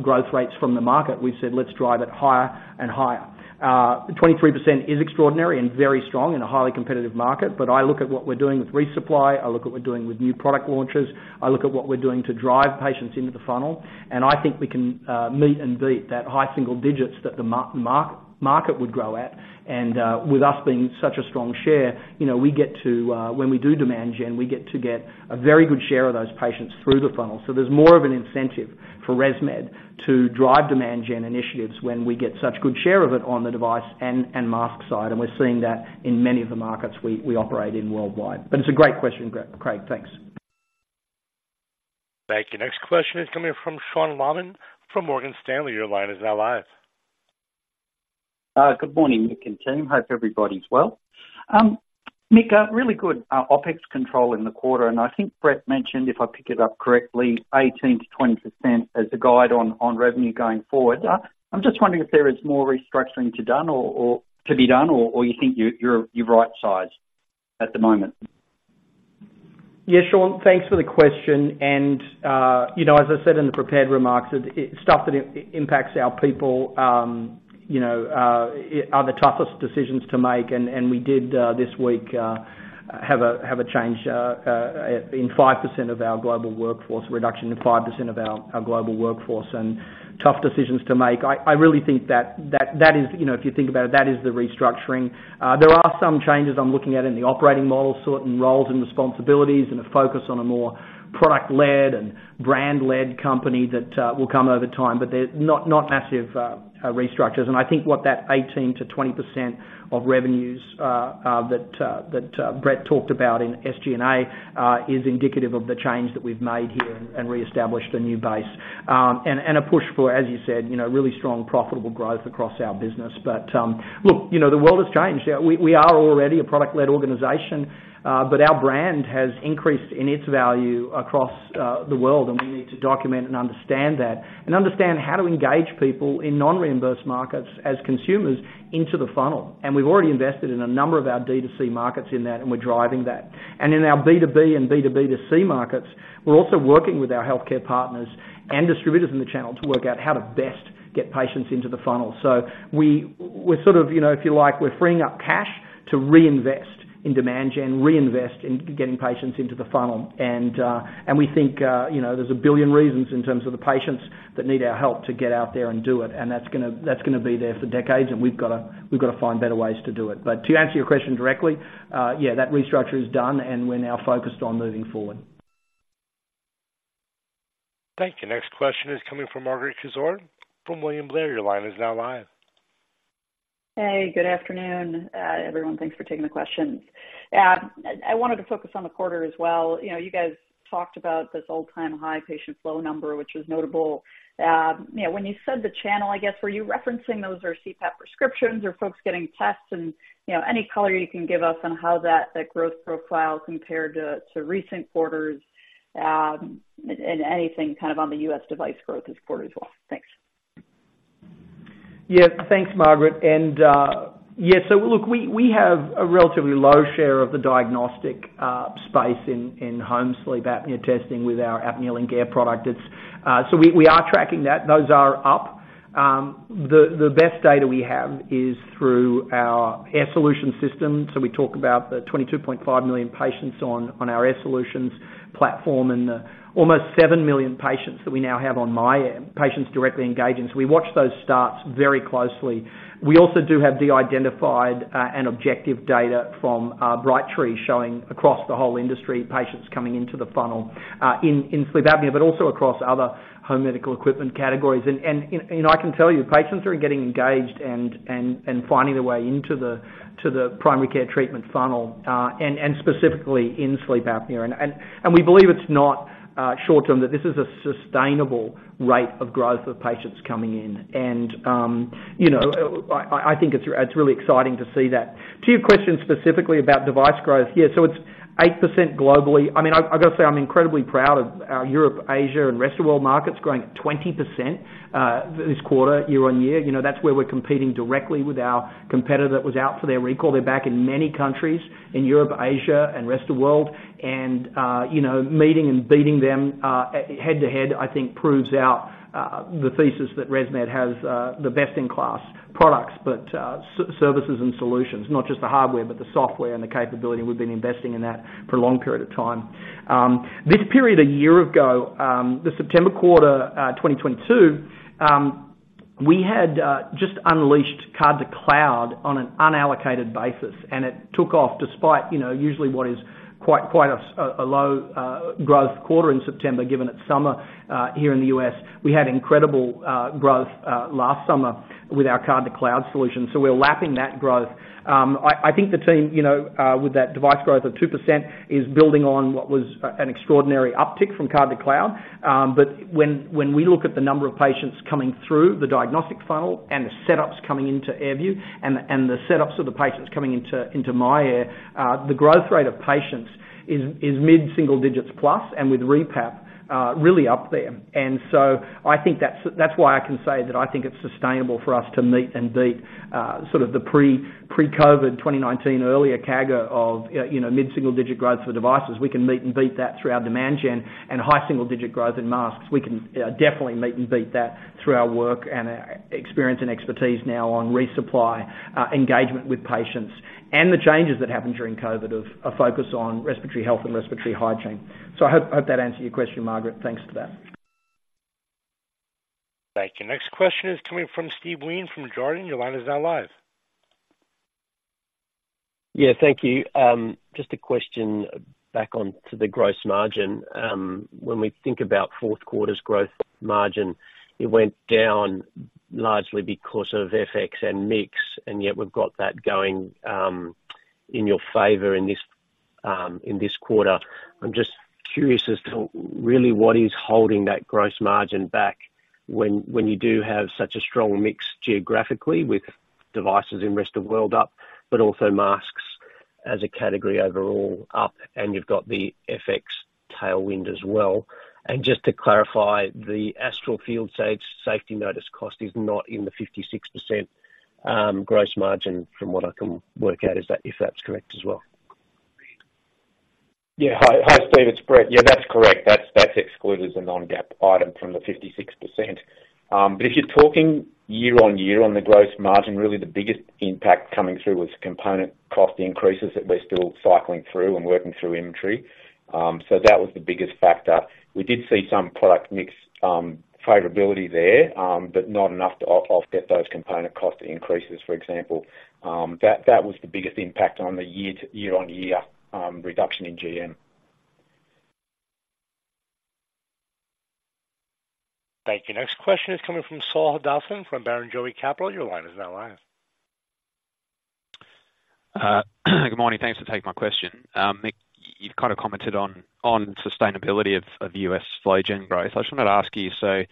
growth rates from the market. We've said, "Let's drive it higher and higher." 23% is extraordinary and very strong in a highly competitive market, but I look at what we're doing with resupply, I look at what we're doing with new product launches, I look at what we're doing to drive patients into the funnel, and I think we can meet and beat that high single digits that the market would grow at. And, with us being such a strong share, you know, we get to, when we do demand gen, we get to get a very good share of those patients through the funnel. So there's more of an incentive for ResMed to drive demand gen initiatives when we get such good share of it on the device and mask side, and we're seeing that in many of the markets we operate in worldwide. But it's a great question, Craig. Thanks. Thank you. Next question is coming from Sean Laaman from Morgan Stanley. Your line is now live. Good morning, Mick and team. Hope everybody's well. Mick, a really good OpEx control in the quarter, and I think Brett mentioned, if I pick it up correctly, 18%-20% as a guide on revenue going forward. I'm just wondering if there is more restructuring to be done, or you think you're right sized at the moment? Yeah, Sean, thanks for the question, and, you know, as I said in the prepared remarks, stuff that impacts our people, you know, are the toughest decisions to make. And we did, this week, have a change in 5% of our global workforce, reduction in 5% of our global workforce, and tough decisions to make. I really think that that is, you know, if you think about it, that is the restructuring. There are some changes I'm looking at in the operating model, certain roles and responsibilities, and a focus on a more product-led and brand-led company that will come over time, but they're not massive restructures. And I think what that 18%-20% of revenues that Brett talked about in SG&A is indicative of the change that we've made here and reestablished a new base. And a push for, as you said, you know, really strong, profitable growth across our business. But look, you know, the world has changed. We are already a product-led organization, but our brand has increased in its value across the world, and we need to document and understand that, and understand how to engage people in non-reimbursed markets as consumers into the funnel. And we've already invested in a number of our D2C markets in that, and we're driving that. And in our B2B and B2B2C markets, we're also working with our healthcare partners and distributors in the channel to work out how to best get patients into the funnel. So we're sort of, you know, if you like, we're freeing up cash to reinvest in demand gen, reinvest in getting patients into the funnel. And, and we think, you know, there's a billion reasons, in terms of the patients, that need our help to get out there and do it, and that's gonna, that's gonna be there for decades, and we've gotta, we've gotta find better ways to do it. But to answer your question directly, yeah, that restructure is done, and we're now focused on moving forward. Thank you. Next question is coming from Margaret Kaczor from William Blair. Your line is now live. Hey, good afternoon, everyone. Thanks for taking the questions. I wanted to focus on the quarter as well. You know, you guys talked about this all-time high patient flow number, which is notable. You know, when you said the channel, I guess, were you referencing those are CPAP prescriptions or folks getting tests? And, you know, any color you can give us on how that, that growth profile compared to, to recent quarters, and anything kind of on the U.S. device growth this quarter as well? Thanks. Yeah. Thanks, Margaret, and yeah, so look, we have a relatively low share of the diagnostic space in home sleep apnea testing with our ApneaLink Air product. It's so we are tracking that. Those are up. The best data we have is through our Air Solutions system. So we talk about the 22.5 million patients on our Air Solutions platform and almost 7 million patients that we now have on myAir directly engaging. So we watch those stats very closely. We also do have de-identified and objective data from Brightree, showing across the whole industry, patients coming into the funnel in sleep apnea, but also across other home medical equipment categories. I can tell you, patients are getting engaged and finding their way into the, to the primary care treatment funnel, and we believe it's not short term, that this is a sustainable rate of growth of patients coming in. You know, I think it's really exciting to see that. To your question specifically about device growth, yeah, so it's 8% globally. I mean, I gotta say I'm incredibly proud of our Europe, Asia, and rest of world markets growing at 20% this quarter, year-on-year. You know, that's where we're competing directly with our competitor that was out for their recall. They're back in many countries in Europe, Asia, and rest of world, and, you know, meeting and beating them head-to-head. I think proves out the thesis that ResMed has the best-in-class products, but services and solutions, not just the hardware, but the software and the capability. We've been investing in that for a long period of time. This period a year ago, the September quarter, 2022, we had just unleashed Card-to-Cloud on an unallocated basis, and it took off despite, you know, usually what is quite a low growth quarter in September, given it's summer here in the U.S. We had incredible growth last summer with our Card-to-Cloud solution, so we're lapping that growth. I think the team, you know, with that device growth of 2%, is building on what was an extraordinary uptick from Card-to-Cloud. But when we look at the number of patients coming through the diagnostic funnel and the setups coming into AirView and the setups of the patients coming into myAir, the growth rate of patients is mid-single digits+, and with rePAP, really up there. And so I think that's why I can say that I think it's sustainable for us to meet and beat, sort of the pre-COVID, 2019 earlier CAGR of, you know, mid-single-digit growth for devices. We can meet and beat that through our demand gen and high single-digit growth in masks. We can definitely meet and beat that through our work and our experience and expertise now on resupply, engagement with patients, and the changes that happened during COVID of a focus on respiratory health and respiratory hygiene. So I hope, hope that answered your question, Margaret. Thanks for that. Thank you. Next question is coming from Steve Wheen from Jarden. Your line is now live. Yeah, thank you. Just a question back onto the gross margin. When we think about fourth quarter's gross margin, it went down largely because of FX and mix, and yet we've got that going,... in your favor in this quarter. I'm just curious as to really what is holding that gross margin back when you do have such a strong mix geographically with devices in rest of world up, but also masks as a category overall up, and you've got the FX tailwind as well. And just to clarify, the Astral field safety notice cost is not in the 56% gross margin from what I can work out, is that if that's correct as well? Yeah. Hi, hi, Steve, it's Brett. Yeah, that's correct. That's excluded as a non-GAAP item from the 56%. But if you're talking year-on-year on the gross margin, really the biggest impact coming through was component cost increases that we're still cycling through and working through inventory. So that was the biggest factor. We did see some product mix favorability there, but not enough to offset those component cost increases, for example. That was the biggest impact on the year-on-year reduction in GM. Thank you. Next question is coming from Saul Hadassin, from Barrenjoey. Your line is now live. Good morning. Thanks for taking my question. Mick, you've kind of commented on sustainability of U.S. flowGen growth. I just wanted to ask you, so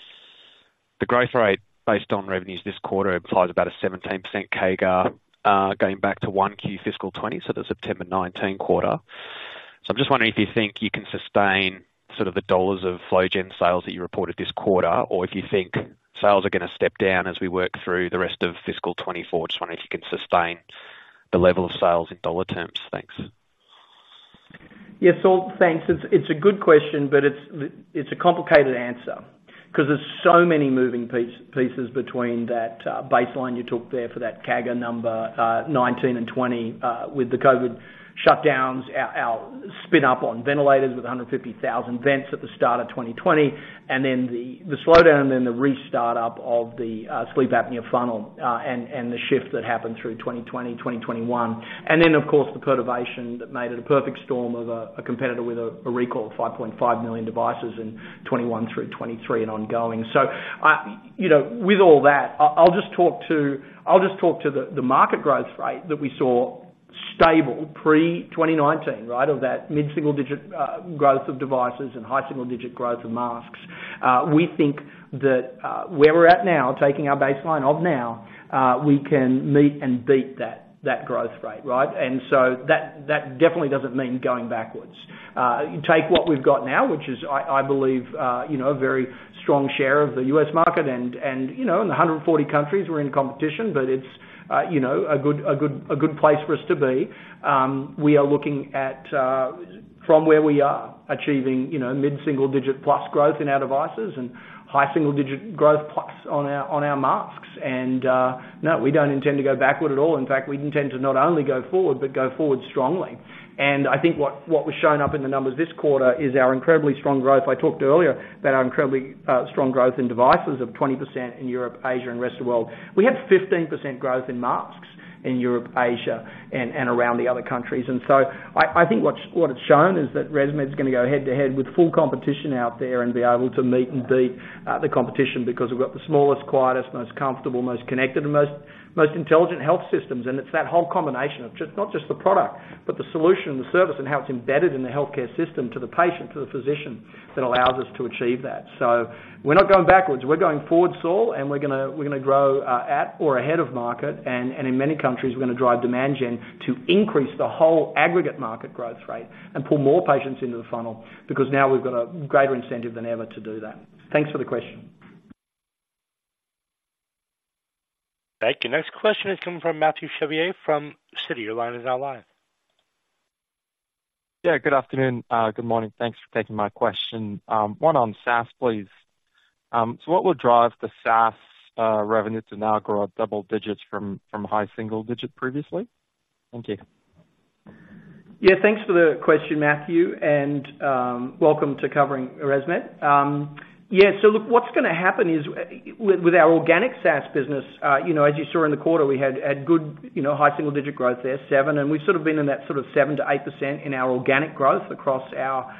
the growth rate based on revenues this quarter implies about a 17% CAGR, going back to 1Q fiscal 2020, so the September 2019 quarter. So I'm just wondering if you think you can sustain sort of the dollars of flow gen sales that you reported this quarter, or if you think sales are gonna step down as we work through the rest of fiscal 2024. Just wondering if you can sustain the level of sales in dollar terms. Thanks. Yeah, Saul, thanks. It's a good question, but it's a complicated answer, 'cause there's so many moving pieces between that baseline you took there for that CAGR number, 2019 and 2020, with the COVID shutdowns, our spin up on ventilators with 150,000 vents at the start of 2020, and then the slowdown and the restart up of the sleep apnea funnel, and the shift that happened through 2020, 2021. And then, of course, the perturbation that made it a perfect storm of a competitor with a recall of 5.5 million devices in 2021 through 2023 and ongoing. So, you know, with all that, I'll just talk to the market growth rate that we saw stable pre-2019, right? Of that mid-single digit growth of devices and high single digit growth of masks. We think that, where we're at now, taking our baseline of now, we can meet and beat that growth rate, right? And so that definitely doesn't mean going backwards. You take what we've got now, which is, I believe, you know, a very strong share of the U.S. market and, you know, in 140 countries, we're in competition, but it's, you know, a good place for us to be. We are looking at, from where we are achieving, you know, mid-single digit plus growth in our devices and high single digit growth plus on our masks. And, no, we don't intend to go backward at all. In fact, we intend to not only go forward, but go forward strongly. I think what was shown up in the numbers this quarter is our incredibly strong growth. I talked earlier about our incredibly strong growth in devices of 20% in Europe, Asia, and rest of the world. We have 15% growth in masks in Europe, Asia, and around the other countries. I think what it's shown is that ResMed is gonna go head-to-head with full competition out there and be able to meet and beat the competition, because we've got the smallest, quietest, most comfortable, most connected, and most intelligent health systems. It's that whole combination of just, not just the product, but the solution, the service, and how it's embedded in the healthcare system to the patient, to the physician, that allows us to achieve that. So we're not going backwards, we're going forward, Saul, and we're gonna, we're gonna grow at or ahead of market. And, and in many countries, we're gonna drive demand gen to increase the whole aggregate market growth rate and pull more patients into the funnel, because now we've got a greater incentive than ever to do that. Thanks for the question. Thank you. Next question is coming from Mathieu Chevrier from Citi. Your line is now live. Yeah, good afternoon. Good morning. Thanks for taking my question. One on SaaS, please. So what would drive the SaaS revenue to now grow at double digits from high single digit previously? Thank you. Yeah, thanks for the question, Matthew, and welcome to covering ResMed. Yeah, look, what's gonna happen is, with our organic SaaS business, you know, as you saw in the quarter, we had good, you know, high single-digit growth there, 7%, and we've sort of been in that sort of 7%-8% in our organic growth across our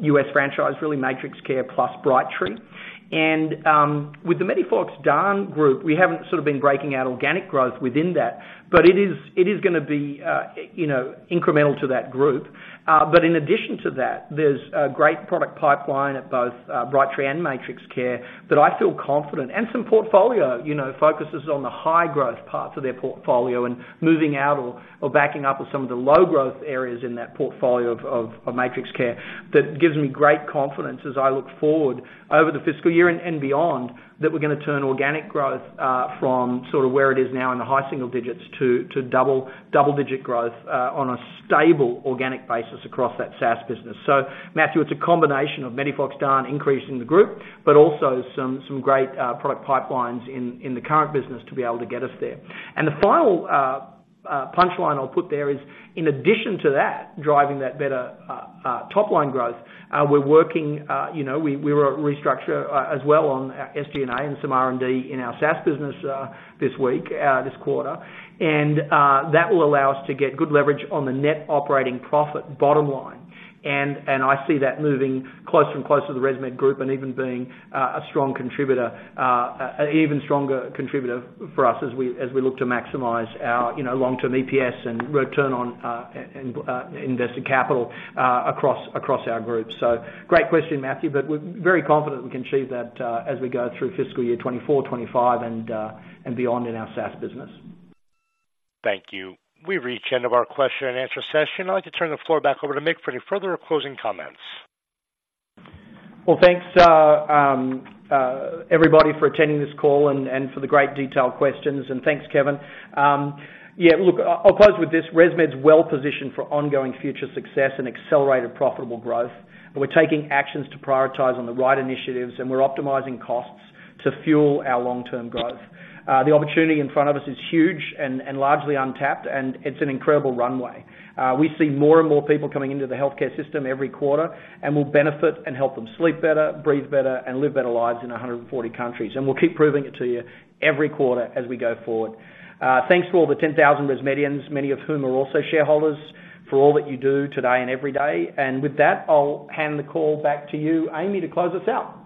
US franchise, really, MatrixCare plus Brightree. With the MEDIFOX DAN group, we haven't sort of been breaking out organic growth within that, but it is, it is gonna be, you know, incremental to that group. In addition to that, there's a great product pipeline at both Brightree and MatrixCare, that I feel confident... Some portfolio, you know, focuses on the high growth parts of their portfolio and moving out or backing up of some of the low growth areas in that portfolio of MatrixCare. That gives me great confidence as I look forward over the fiscal year and beyond, that we're gonna turn organic growth from sort of where it is now in the high single digits to double digit growth on a stable organic basis across that SaaS business. So Mathieu, it's a combination of MEDIFOX DAN increase in the group, but also some great product pipelines in the current business to be able to get us there. The final punchline I'll put there is, in addition to that, driving that better top line growth, we're working, you know, we were restructure as well on our SG&A and some R&D in our SaaS business this week, this quarter. That will allow us to get good leverage on the net operating profit bottom line. I see that moving closer and closer to the ResMed group and even being a strong contributor, an even stronger contributor for us as we look to maximize our, you know, long-term EPS and return on invested capital across our group. Great question, Matthew, but we're very confident we can achieve that as we go through fiscal year 2024, 2025 and beyond in our SaaS business. Thank you. We've reached the end of our question and answer session. I'd like to turn the floor back over to Mick for any further or closing comments. Well, thanks, everybody, for attending this call and for the great detailed questions. Thanks, Kevin. Yeah, look, I'll close with this. ResMed's well positioned for ongoing future success and accelerated profitable growth, and we're taking actions to prioritize on the right initiatives, and we're optimizing costs to fuel our long-term growth. The opportunity in front of us is huge and largely untapped, and it's an incredible runway. We see more and more people coming into the healthcare system every quarter, and we'll benefit and help them sleep better, breathe better, and live better lives in 140 countries. We'll keep proving it to you every quarter as we go forward. Thanks to all the 10,000 ResMedians, many of whom are also shareholders, for all that you do today and every day. I'll hand the call back to you, Amy, to close us out.